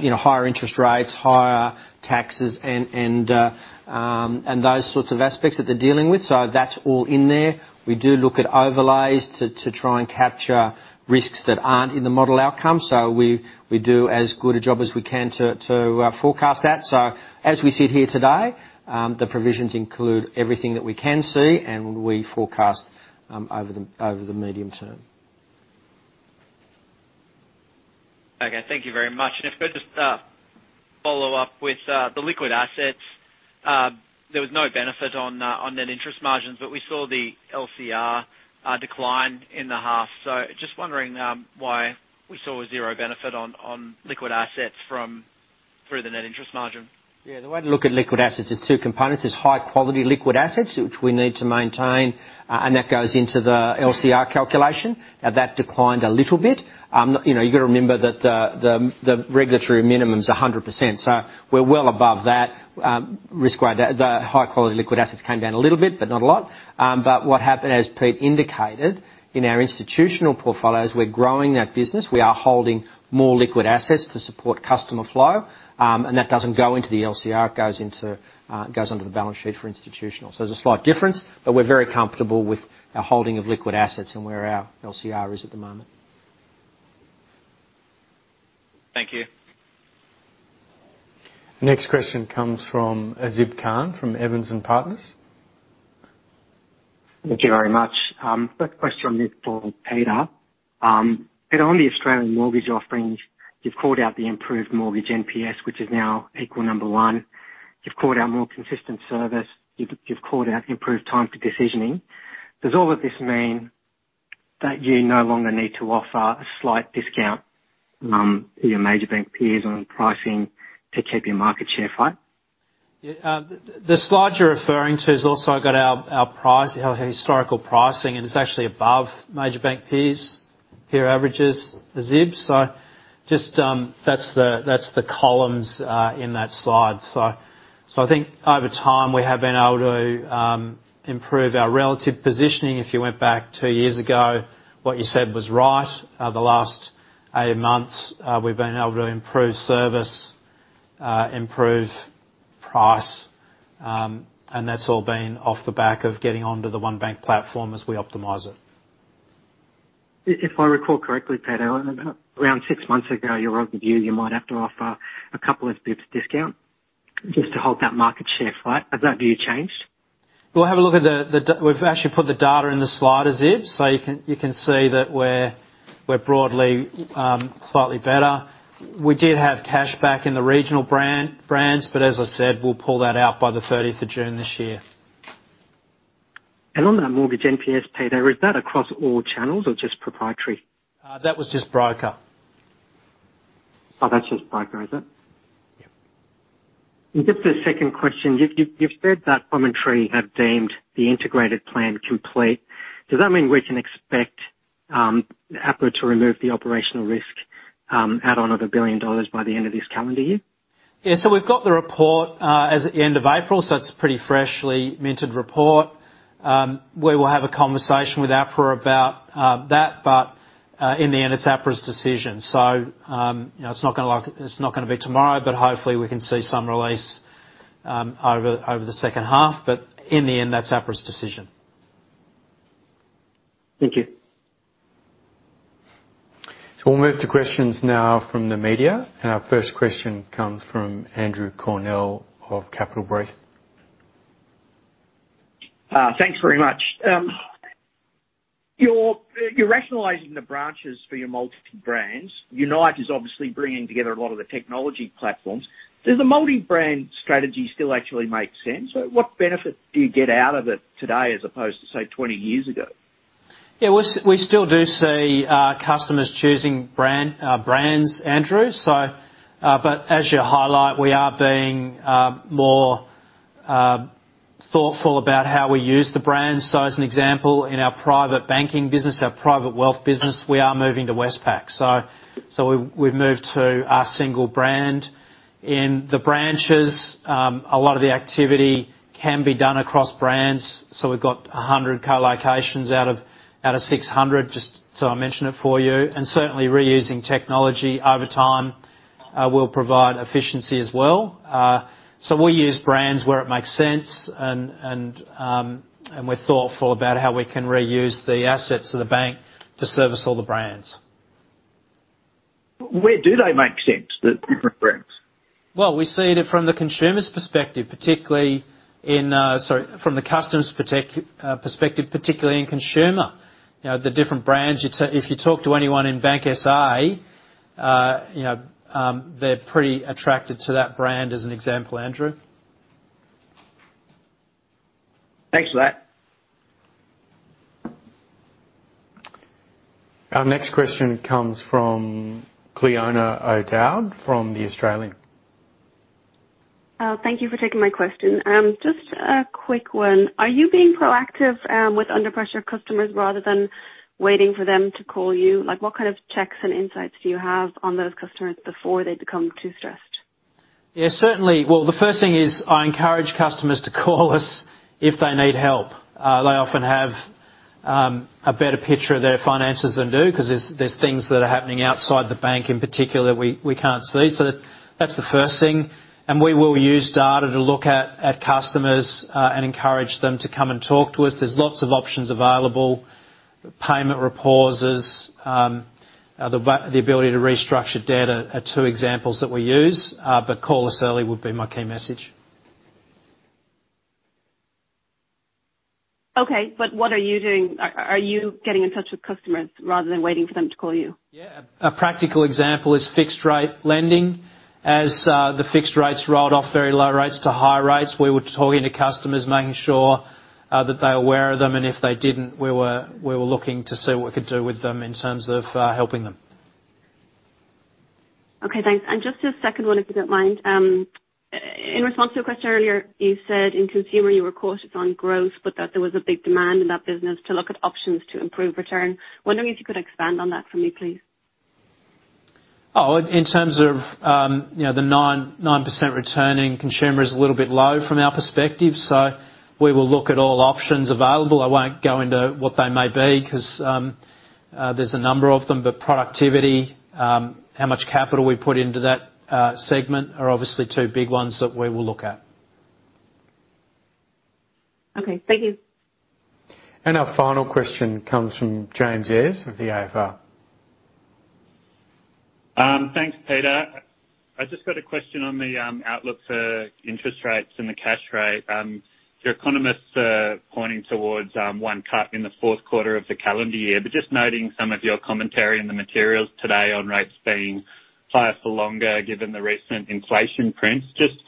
Speaker 3: you know, higher interest rates, higher taxes, and those sorts of aspects that they're dealing with. So that's all in there. We do look at overlays to try and capture risks that aren't in the model outcome. So we do as good a job as we can to forecast that. So as we sit here today, the provisions include everything that we can see, and we forecast over the medium term.
Speaker 15: Okay, thank you very much. If I could just follow up with the liquid assets. There was no benefit on net interest margins, but we saw the LCR decline in the half. Just wondering why we saw a zero benefit on liquid assets from through the net interest margin?
Speaker 3: Yeah, the way to look at liquid assets is two components. There's high quality liquid assets, which we need to maintain, and that goes into the LCR calculation. Now, that declined a little bit. You know, you've got to remember that the regulatory minimum is 100%, so we're well above that, risk-weighted. The high quality liquid assets came down a little bit, but not a lot. But what happened, as Pete indicated, in our institutional portfolios, we're growing that business. We are holding more liquid assets to support customer flow, and that doesn't go into the LCR, it goes into, it goes onto the balance sheet for institutional. So there's a slight difference, but we're very comfortable with our holding of liquid assets and where our LCR is at the moment.
Speaker 15: Thank you.
Speaker 1: The next question comes from Azib Khan, from Evans and Partners.
Speaker 16: Thank you very much. First question on this for Peter. Peter, on the Australian mortgage offerings, you've called out the improved mortgage NPS, which is now equal number one. You've called out more consistent service. You've, you've called out improved time to decisioning. Does all of this mean that you no longer need to offer a slight discount to your major bank peers on pricing to keep your market share front?
Speaker 2: Yeah, the slide you're referring to has also got our, our price, our historical pricing, and it's actually above major bank peers. Peer average is, the Zib. So just, that's the, that's the columns, in that slide. So, I think over time, we have been able to, improve our relative positioning. If you went back two years ago, what you said was right. The last eight months, we've been able to improve service, improve price, and that's all been off the back of getting onto the OneBank platform as we optimize it.
Speaker 16: If I recall correctly, Peter, around six months ago, your overview, you might have to offer a couple of basis points discount just to hold that market share front. Has that view changed?
Speaker 2: Well, have a look at the data we've actually put in the slide, as is, so you can see that we're broadly slightly better. We did have cashback in the regional brands, but as I said, we'll pull that out by the thirtieth of June this year.
Speaker 16: On that mortgage NPS, Peter, is that across all channels or just proprietary?
Speaker 2: That was just broker.
Speaker 16: Oh, that's just broker, is it?... Just a second question. You've said that Promontory have deemed the Integrated Plan complete. Does that mean we can expect APRA to remove the operational risk add on of 1 billion dollars by the end of this calendar year?
Speaker 2: Yeah, so we've got the report as at the end of April, so it's a pretty freshly minted report. We will have a conversation with APRA about that, but in the end, it's APRA's decision. So, you know, it's not gonna be tomorrow, but hopefully we can see some release over the second half. But in the end, that's APRA's decision.
Speaker 16: Thank you.
Speaker 1: We'll move to questions now from the media, and our first question comes from Andrew Cornell of Capital Brief.
Speaker 17: Ah, thanks very much. You're rationalizing the branches for your multitude brands. Unite is obviously bringing together a lot of the technology platforms. Does the multi-brand strategy still actually make sense? What benefit do you get out of it today, as opposed to, say, 20 years ago?
Speaker 2: Yeah, we're we still do see customers choosing brands, Andrew. So, but as you highlight, we are being more thoughtful about how we use the brands. So as an example, in our private banking business, our private wealth business, we are moving to Westpac. So, we've moved to a single brand. In the branches, a lot of the activity can be done across brands, so we've got 100 co-locations out of 600, just so I mention it for you. And certainly reusing technology over time will provide efficiency as well. So we use brands where it makes sense, and we're thoughtful about how we can reuse the assets of the bank to service all the brands.
Speaker 17: Where do they make sense, the different brands?
Speaker 2: Well, we see it from the Consumer's perspective, particularly in Consumer. From the customer's perspective, particularly in Consumer. You know, the different brands, if you talk to anyone in BankSA, you know, they're pretty attracted to that brand as an example, Andrew.
Speaker 17: Thanks for that.
Speaker 1: Our next question comes from Cliona O'Dowd, from The Australian.
Speaker 18: Thank you for taking my question. Just a quick one: Are you being proactive, with under-pressure customers rather than waiting for them to call you? Like, what kind of checks and insights do you have on those customers before they become too stressed?
Speaker 2: Yeah, certainly. Well, the first thing is, I encourage customers to call us if they need help. They often have a better picture of their finances than do, 'cause there's things that are happening outside the bank in particular, we can't see. So that's the first thing, and we will use data to look at customers and encourage them to come and talk to us. There's lots of options available. Payment pauses, the ability to restructure debt are two examples that we use. But call us early would be my key message.
Speaker 18: Okay, but what are you doing? Are you getting in touch with customers rather than waiting for them to call you?
Speaker 2: Yeah. A practical example is fixed rate lending. As the fixed rates rolled off very low rates to high rates, we were talking to customers, making sure that they're aware of them, and if they didn't, we were looking to see what we could do with them in terms of helping them.
Speaker 18: Okay, thanks. Just a second one, if you don't mind. In response to a question earlier, you said in Consumer, you were cautious on growth, but that there was a big demand in that business to look at options to improve return. Wondering if you could expand on that for me, please.
Speaker 2: Oh, in terms of, you know, the 9.9% returning Consumer is a little bit low from our perspective, so we will look at all options available. I won't go into what they may be, 'cause, there's a number of them, but productivity, how much capital we put into that, segment, are obviously two big ones that we will look at.
Speaker 18: Okay, thank you.
Speaker 1: Our final question comes from James Eyers of the AFR.
Speaker 19: Thanks, Peter. I just got a question on the outlook for interest rates and the cash rate. Your economists are pointing towards one cut in the fourth quarter of the calendar year, but just noting some of your commentary in the materials today on rates being higher for longer, given the recent inflation prints. Just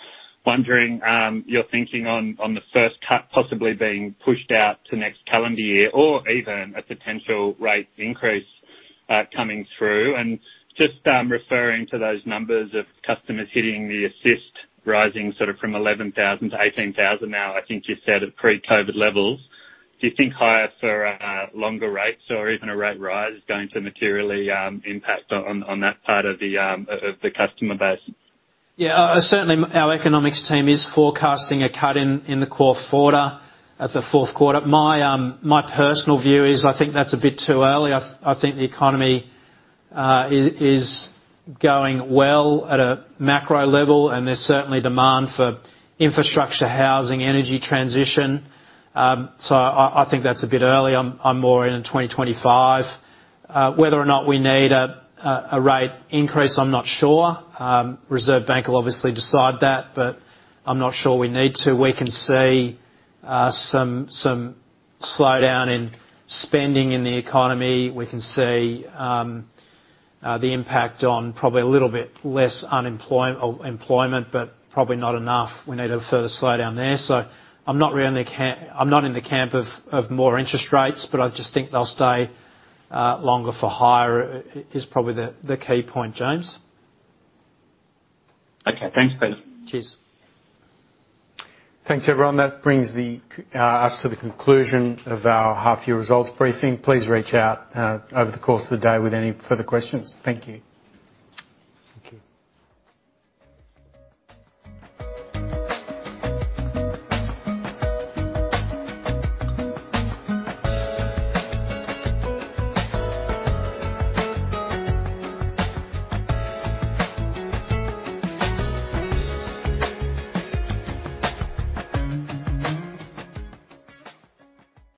Speaker 19: wondering your thinking on the first cut possibly being pushed out to next calendar year, or even a potential rate increase coming through. And just referring to those numbers of customers hitting the Assist, rising sort of from 11,000 to 18,000 now, I think you said at pre-COVID levels. Do you think higher for longer rates or even a rate rise is going to materially impact on that part of the customer base?
Speaker 2: Yeah, certainly our economics team is forecasting a cut in the fourth quarter. My personal view is, I think that's a bit too early. I think the economy is going well at a macro level, and there's certainly demand for infrastructure, housing, energy transition. So I think that's a bit early. I'm more in 2025. Whether or not we need a rate increase, I'm not sure. Reserve Bank will obviously decide that, but I'm not sure we need to. We can see some slowdown in spending in the economy. We can see the impact on probably a little bit less unemployment or employment, but probably not enough. We need a further slowdown there. I'm not really in the camp of more interest rates, but I just think they'll stay longer for higher, is probably the key point, James.
Speaker 19: Okay. Thanks, Peter.
Speaker 2: Cheers.
Speaker 1: Thanks, everyone. That brings us to the conclusion of our half-year results briefing. Please reach out over the course of the day with any further questions. Thank you.
Speaker 2: Thank you.